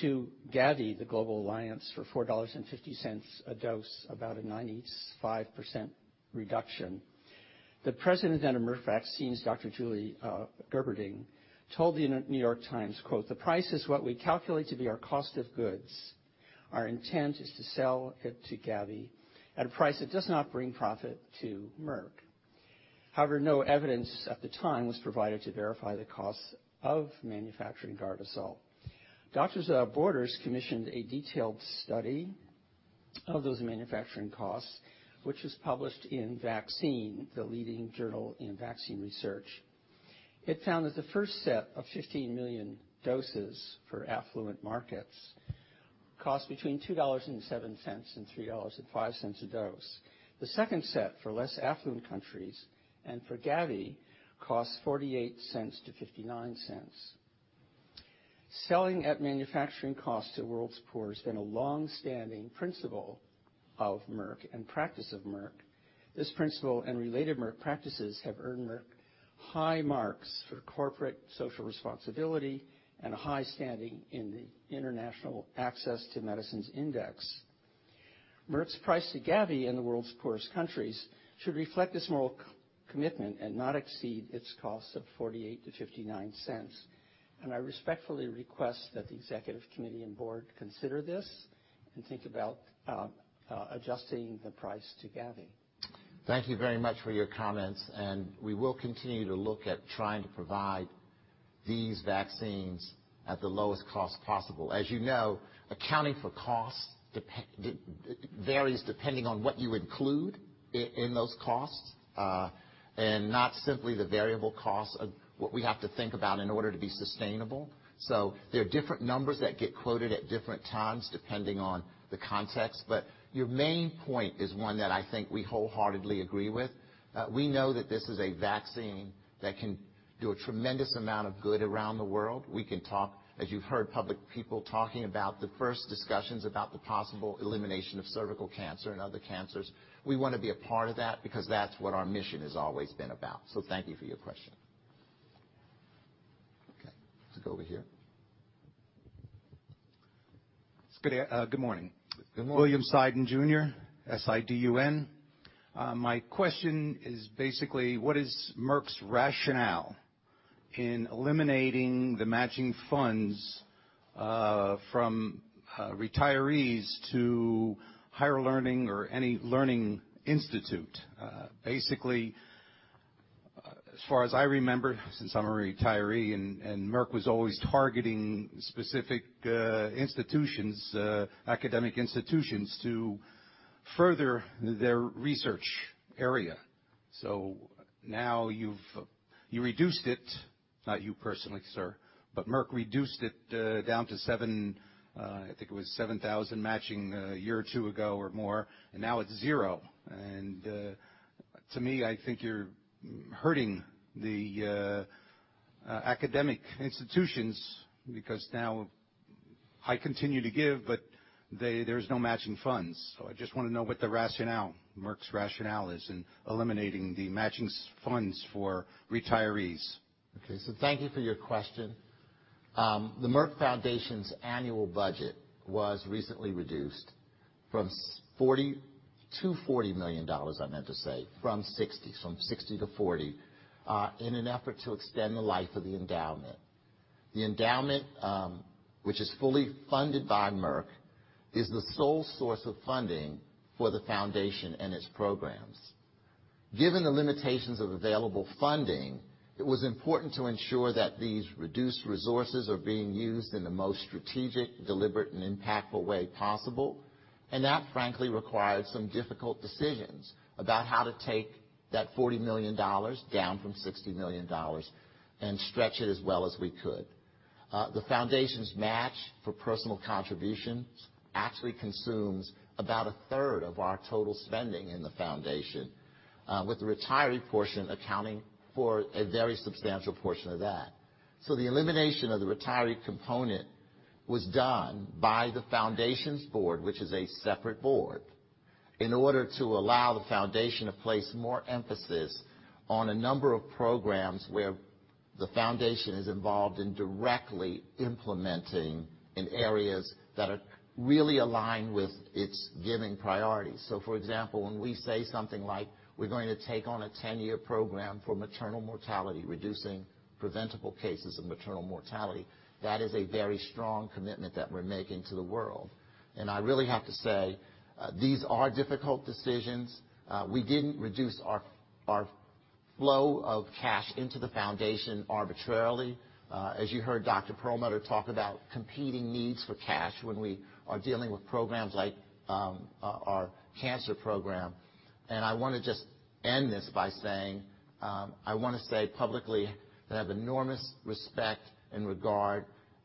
to Gavi, the Vaccine Alliance, for $4.50 a dose, about a 95% reduction, the President then of Merck Vaccines, Dr. Julie Gerberding, told The New York Times, quote, "The price is what we calculate to be our cost of goods. Our intent is to sell it to Gavi at a price that does not bring profit to Merck." However, no evidence at the time was provided to verify the costs of manufacturing GARDASIL. Doctors Without Borders commissioned a detailed study of those manufacturing costs, which was published in Vaccine, the leading journal in vaccine research. It found that the first set of 15 million doses for affluent markets cost between $2.07 and $3.05 a dose. The second set, for less affluent countries and for Gavi, cost $0.48 to $0.59. Selling at manufacturing cost to the world's poor has been a longstanding principle of Merck and practice of Merck. This principle and related Merck practices have earned Merck high marks for corporate social responsibility and a high standing in the International Access to Medicine Index. Merck's price to Gavi in the world's poorest countries should reflect this moral commitment and not exceed its cost of $0.48 to $0.59. I respectfully request that the executive committee and board consider this and think about adjusting the price to Gavi. Thank you very much for your comments, we will continue to look at trying to provide these vaccines at the lowest cost possible. As you know, accounting for cost varies depending on what you include in those costs, and not simply the variable cost of what we have to think about in order to be sustainable. There are different numbers that get quoted at different times, depending on the context. Your main point is one that I think we wholeheartedly agree with. We know that this is a vaccine that can do a tremendous amount of good around the world. We can talk, as you've heard public people talking about the first discussions about the possible elimination of cervical cancer and other cancers. We want to be a part of that because that's what our mission has always been about. Thank you for your question. Okay. Let's go over here. Good morning. Good morning. William Sidun Jr. S-I-D-U-N. My question is basically, what is Merck's rationale in eliminating the matching funds from retirees to higher learning or any learning institute? Basically, as far as I remember, since I'm a retiree and Merck was always targeting specific academic institutions to further their research area. Now you reduced it. Not you personally, sir, but Merck reduced it down to I think it was 7,000 matching a year or two ago or more, and now it's zero. To me, I think you're hurting the academic institutions because now I continue to give, but there's no matching funds. I just want to know what the rationale, Merck's rationale is in eliminating the matching funds for retirees. Okay, thank you for your question. The Merck Foundation's annual budget was recently reduced to $40 million, I meant to say, from 60. From 60 to 40, in an effort to extend the life of the endowment. The endowment, which is fully funded by Merck, is the sole source of funding for the foundation and its programs. Given the limitations of available funding, it was important to ensure that these reduced resources are being used in the most strategic, deliberate, and impactful way possible. That, frankly, required some difficult decisions about how to take that $40 million down from $60 million and stretch it as well as we could. The foundation's match for personal contributions actually consumes about a third of our total spending in the foundation, with the retiree portion accounting for a very substantial portion of that. The elimination of the retiree component was done by the foundation's board, which is a separate board, in order to allow the foundation to place more emphasis on a number of programs where the foundation is involved in directly implementing in areas that are really aligned with its giving priorities. For example, when we say something like, we're going to take on a 10-year program for maternal mortality, reducing preventable cases of maternal mortality, that is a very strong commitment that we're making to the world. I really have to say, these are difficult decisions. We didn't reduce our flow of cash into the foundation arbitrarily. As you heard Dr. Perlmutter talk about competing needs for cash when we are dealing with programs like our cancer program. I want to just end this by saying, I want to say publicly that I have enormous respect and regard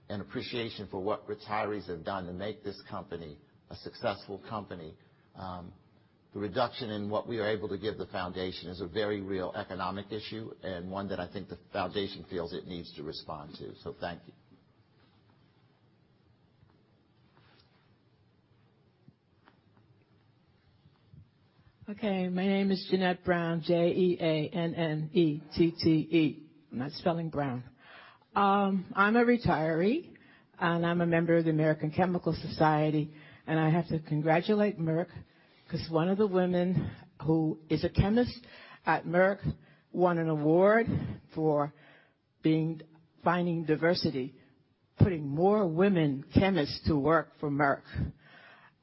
and appreciation for what retirees have done to make this company a successful company. The reduction in what we are able to give the foundation is a very real economic issue and one that I think the foundation feels it needs to respond to. Thank you. Okay. My name is Jeannette Brown. J-E-A-N-N-E-T-T-E. I'm not spelling Brown. I'm a retiree, and I'm a member of the American Chemical Society, and I have to congratulate Merck because one of the women who is a chemist at Merck won an award for finding diversity, putting more women chemists to work for Merck.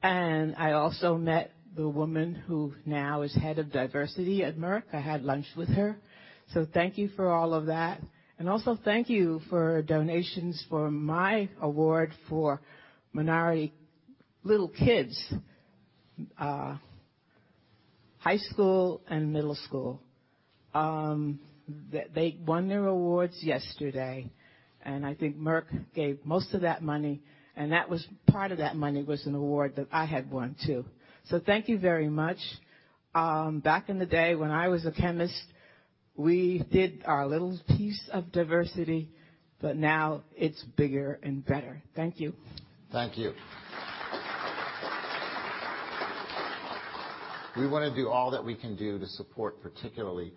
I also met the woman who now is head of diversity at Merck. I had lunch with her. Thank you for all of that. Also thank you for donations for my award for minority little kids, high school and middle school. They won their awards yesterday, and I think Merck gave most of that money, and part of that money was an award that I had won, too. Thank you very much. Back in the day when I was a chemist- We did our little piece of diversity, but now it's bigger and better. Thank you. Thank you. We want to do all that we can do to support particularly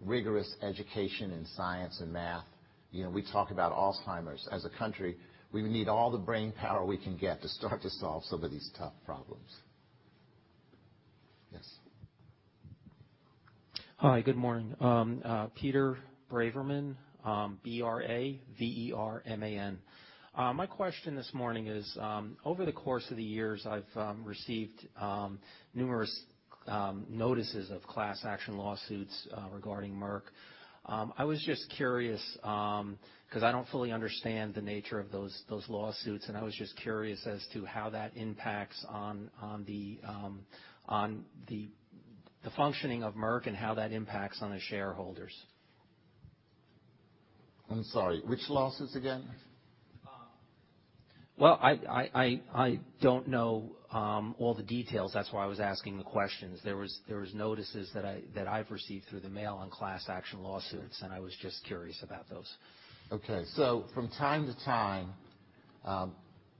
rigorous education in science and math. We talk about Alzheimer's. As a country, we would need all the brain power we can get to start to solve some of these tough problems. Yes. Hi, good morning. Peter Braverman, B-R-A-V-E-R-M-A-N. My question this morning is, over the course of the years, I've received numerous notices of class action lawsuits regarding Merck. I was just curious, because I don't fully understand the nature of those lawsuits, and I was just curious as to how that impacts on the functioning of Merck and how that impacts on the shareholders. I'm sorry, which lawsuits again? Well, I don't know all the details. That's why I was asking the questions. There was notices that I've received through the mail on class action lawsuits, and I was just curious about those. Okay. From time to time,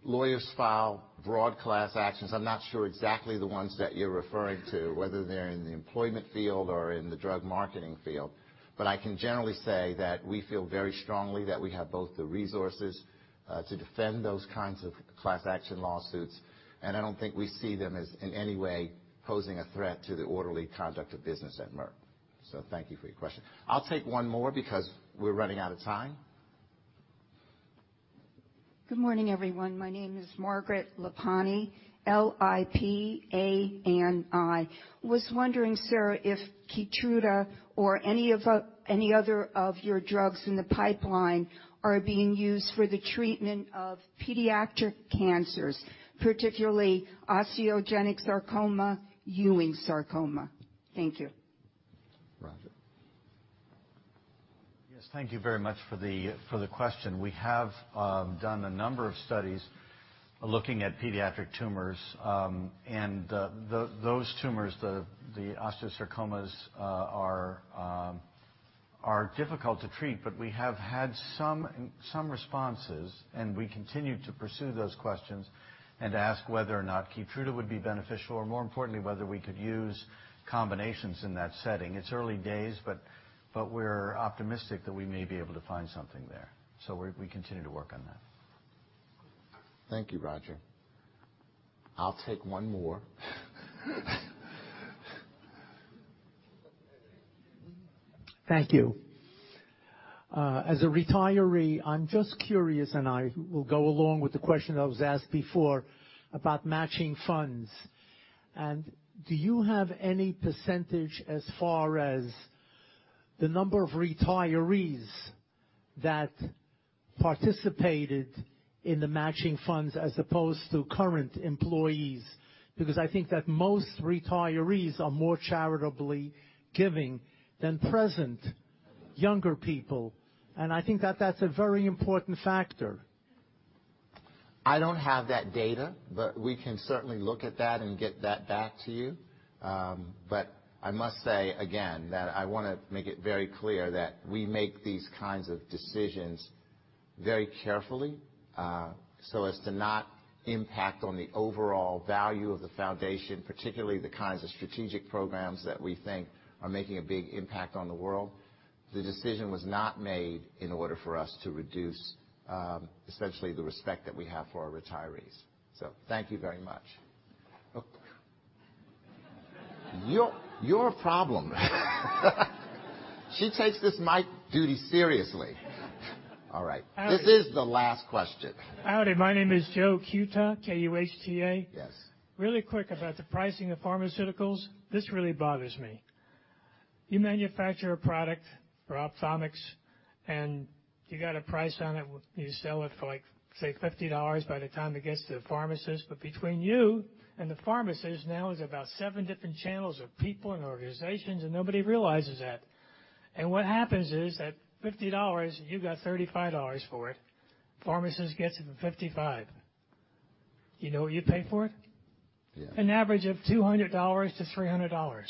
lawyers file broad class actions. I'm not sure exactly the ones that you're referring to, whether they're in the employment field or in the drug marketing field. I can generally say that we feel very strongly that we have both the resources to defend those kinds of class action lawsuits, and I don't think we see them as in any way posing a threat to the orderly conduct of business at Merck. Thank you for your question. I'll take one more because we're running out of time. Good morning, everyone. My name is Margaret Lipani, L-I-P-A-N-I. Was wondering, sir, if KEYTRUDA or any other of your drugs in the pipeline are being used for the treatment of pediatric cancers, particularly osteogenic sarcoma, Ewing sarcoma. Thank you. Roger. Yes, thank you very much for the question. We have done a number of studies looking at pediatric tumors. Those tumors, the osteosarcomas, are difficult to treat, but we have had some responses, and we continue to pursue those questions and ask whether or not KEYTRUDA would be beneficial or, more importantly, whether we could use combinations in that setting. It's early days, but we're optimistic that we may be able to find something there. We continue to work on that. Thank you, Roger. I'll take one more. Thank you. As a retiree, I'm just curious. I will go along with the question that was asked before about matching funds. Do you have any percentage as far as the number of retirees that participated in the matching funds as opposed to current employees? I think that most retirees are more charitably giving than present younger people, and I think that that's a very important factor. I don't have that data. We can certainly look at that and get that back to you. I must say, again, that I want to make it very clear that we make these kinds of decisions very carefully, so as to not impact on the overall value of the Foundation, particularly the kinds of strategic programs that we think are making a big impact on the world. The decision was not made in order for us to reduce, essentially, the respect that we have for our retirees. Thank you very much. Oh. You're a problem. She takes this mic duty seriously. All right. Howdy. This is the last question. Howdy. My name is Joe Kuhta, K-U-H-T-A. Yes. Really quick about the pricing of pharmaceuticals. This really bothers me. You manufacture a product for optometry, you got a price on it, you sell it for like, say, $50 by the time it gets to the pharmacist. Between you and the pharmacist now is about seven different channels of people and organizations, nobody realizes that. What happens is that $50, you got $35 for it. Pharmacist gets it for $55. You know what you pay for it? Yeah. An average of $200-$300.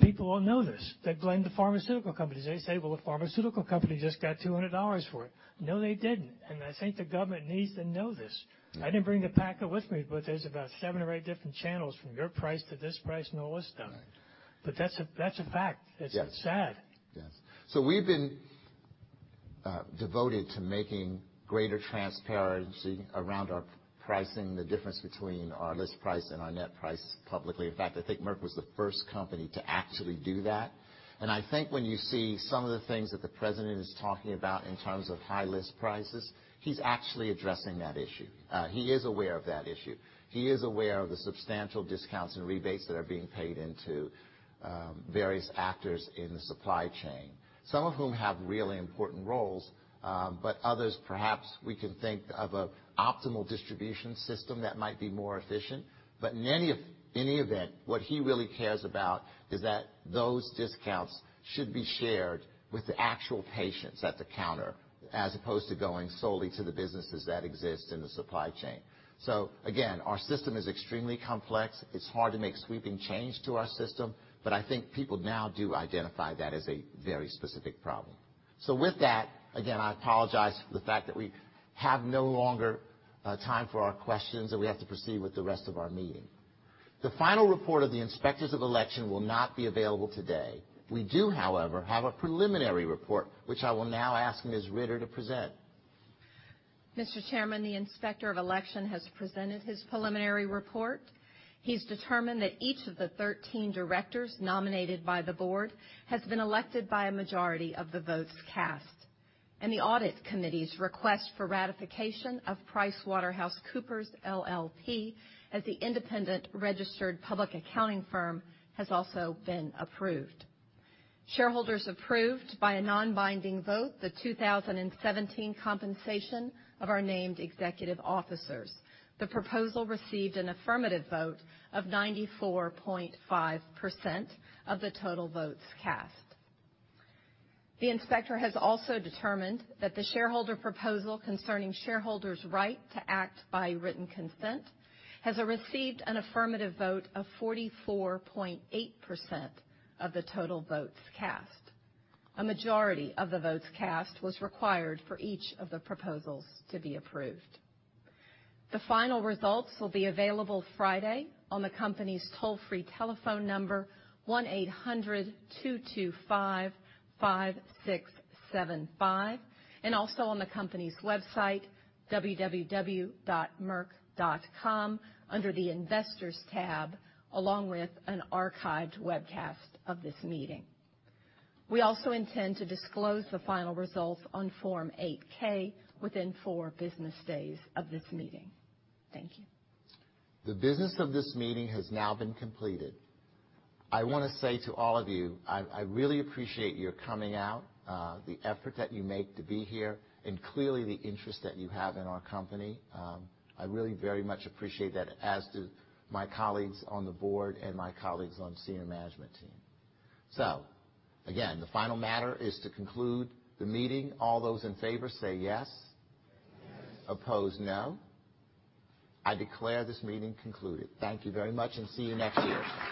People all know this. They blame the pharmaceutical companies. They say, "Well, the pharmaceutical company just got $200 for it." No, they didn't, I think the government needs to know this. Yeah. I didn't bring the packet with me, there's about seven or eight different channels from your price to this price, no one's done. Right. That's a fact. Yes. It's sad. Yes. We've been devoted to making greater transparency around our pricing, the difference between our list price and our net price publicly. In fact, I think Merck was the first company to actually do that. I think when you see some of the things that the president is talking about in terms of high list prices, he's actually addressing that issue. He is aware of that issue. He is aware of the substantial discounts and rebates that are being paid into various actors in the supply chain, some of whom have really important roles, but others, perhaps we can think of an optimal distribution system that might be more efficient. In any event, what he really cares about is that those discounts should be shared with the actual patients at the counter, as opposed to going solely to the businesses that exist in the supply chain. Again, our system is extremely complex. It's hard to make sweeping change to our system, but I think people now do identify that as a very specific problem. With that, again, I apologize for the fact that we have no longer time for our questions, and we have to proceed with the rest of our meeting. The final report of the Inspectors of Election will not be available today. We do, however, have a preliminary report, which I will now ask Ms. Ritter to present. Mr. Chairman, the Inspector of Election has presented his preliminary report. He's determined that each of the 13 directors nominated by the board has been elected by a majority of the votes cast, and the audit committee's request for ratification of PricewaterhouseCoopers LLP as the independent registered public accounting firm has also been approved. Shareholders approved, by a non-binding vote, the 2017 compensation of our named executive officers. The proposal received an affirmative vote of 94.5% of the total votes cast. The inspector has also determined that the shareholder proposal concerning shareholders' right to act by written consent has received an affirmative vote of 44.8% of the total votes cast. A majority of the votes cast was required for each of the proposals to be approved. The final results will be available Friday on the company's toll-free telephone number, 1-800-225-5675, and also on the company's website, www.merck.com, under the Investors tab, along with an archived webcast of this meeting. We also intend to disclose the final results on Form 8-K within four business days of this meeting. Thank you. The business of this meeting has now been completed. I want to say to all of you, I really appreciate your coming out, the effort that you make to be here, and clearly the interest that you have in our company. I really very much appreciate that, as do my colleagues on the board and my colleagues on senior management team. Again, the final matter is to conclude the meeting. All those in favor say yes. Yes. Opposed, no. I declare this meeting concluded. Thank you very much, and see you next year.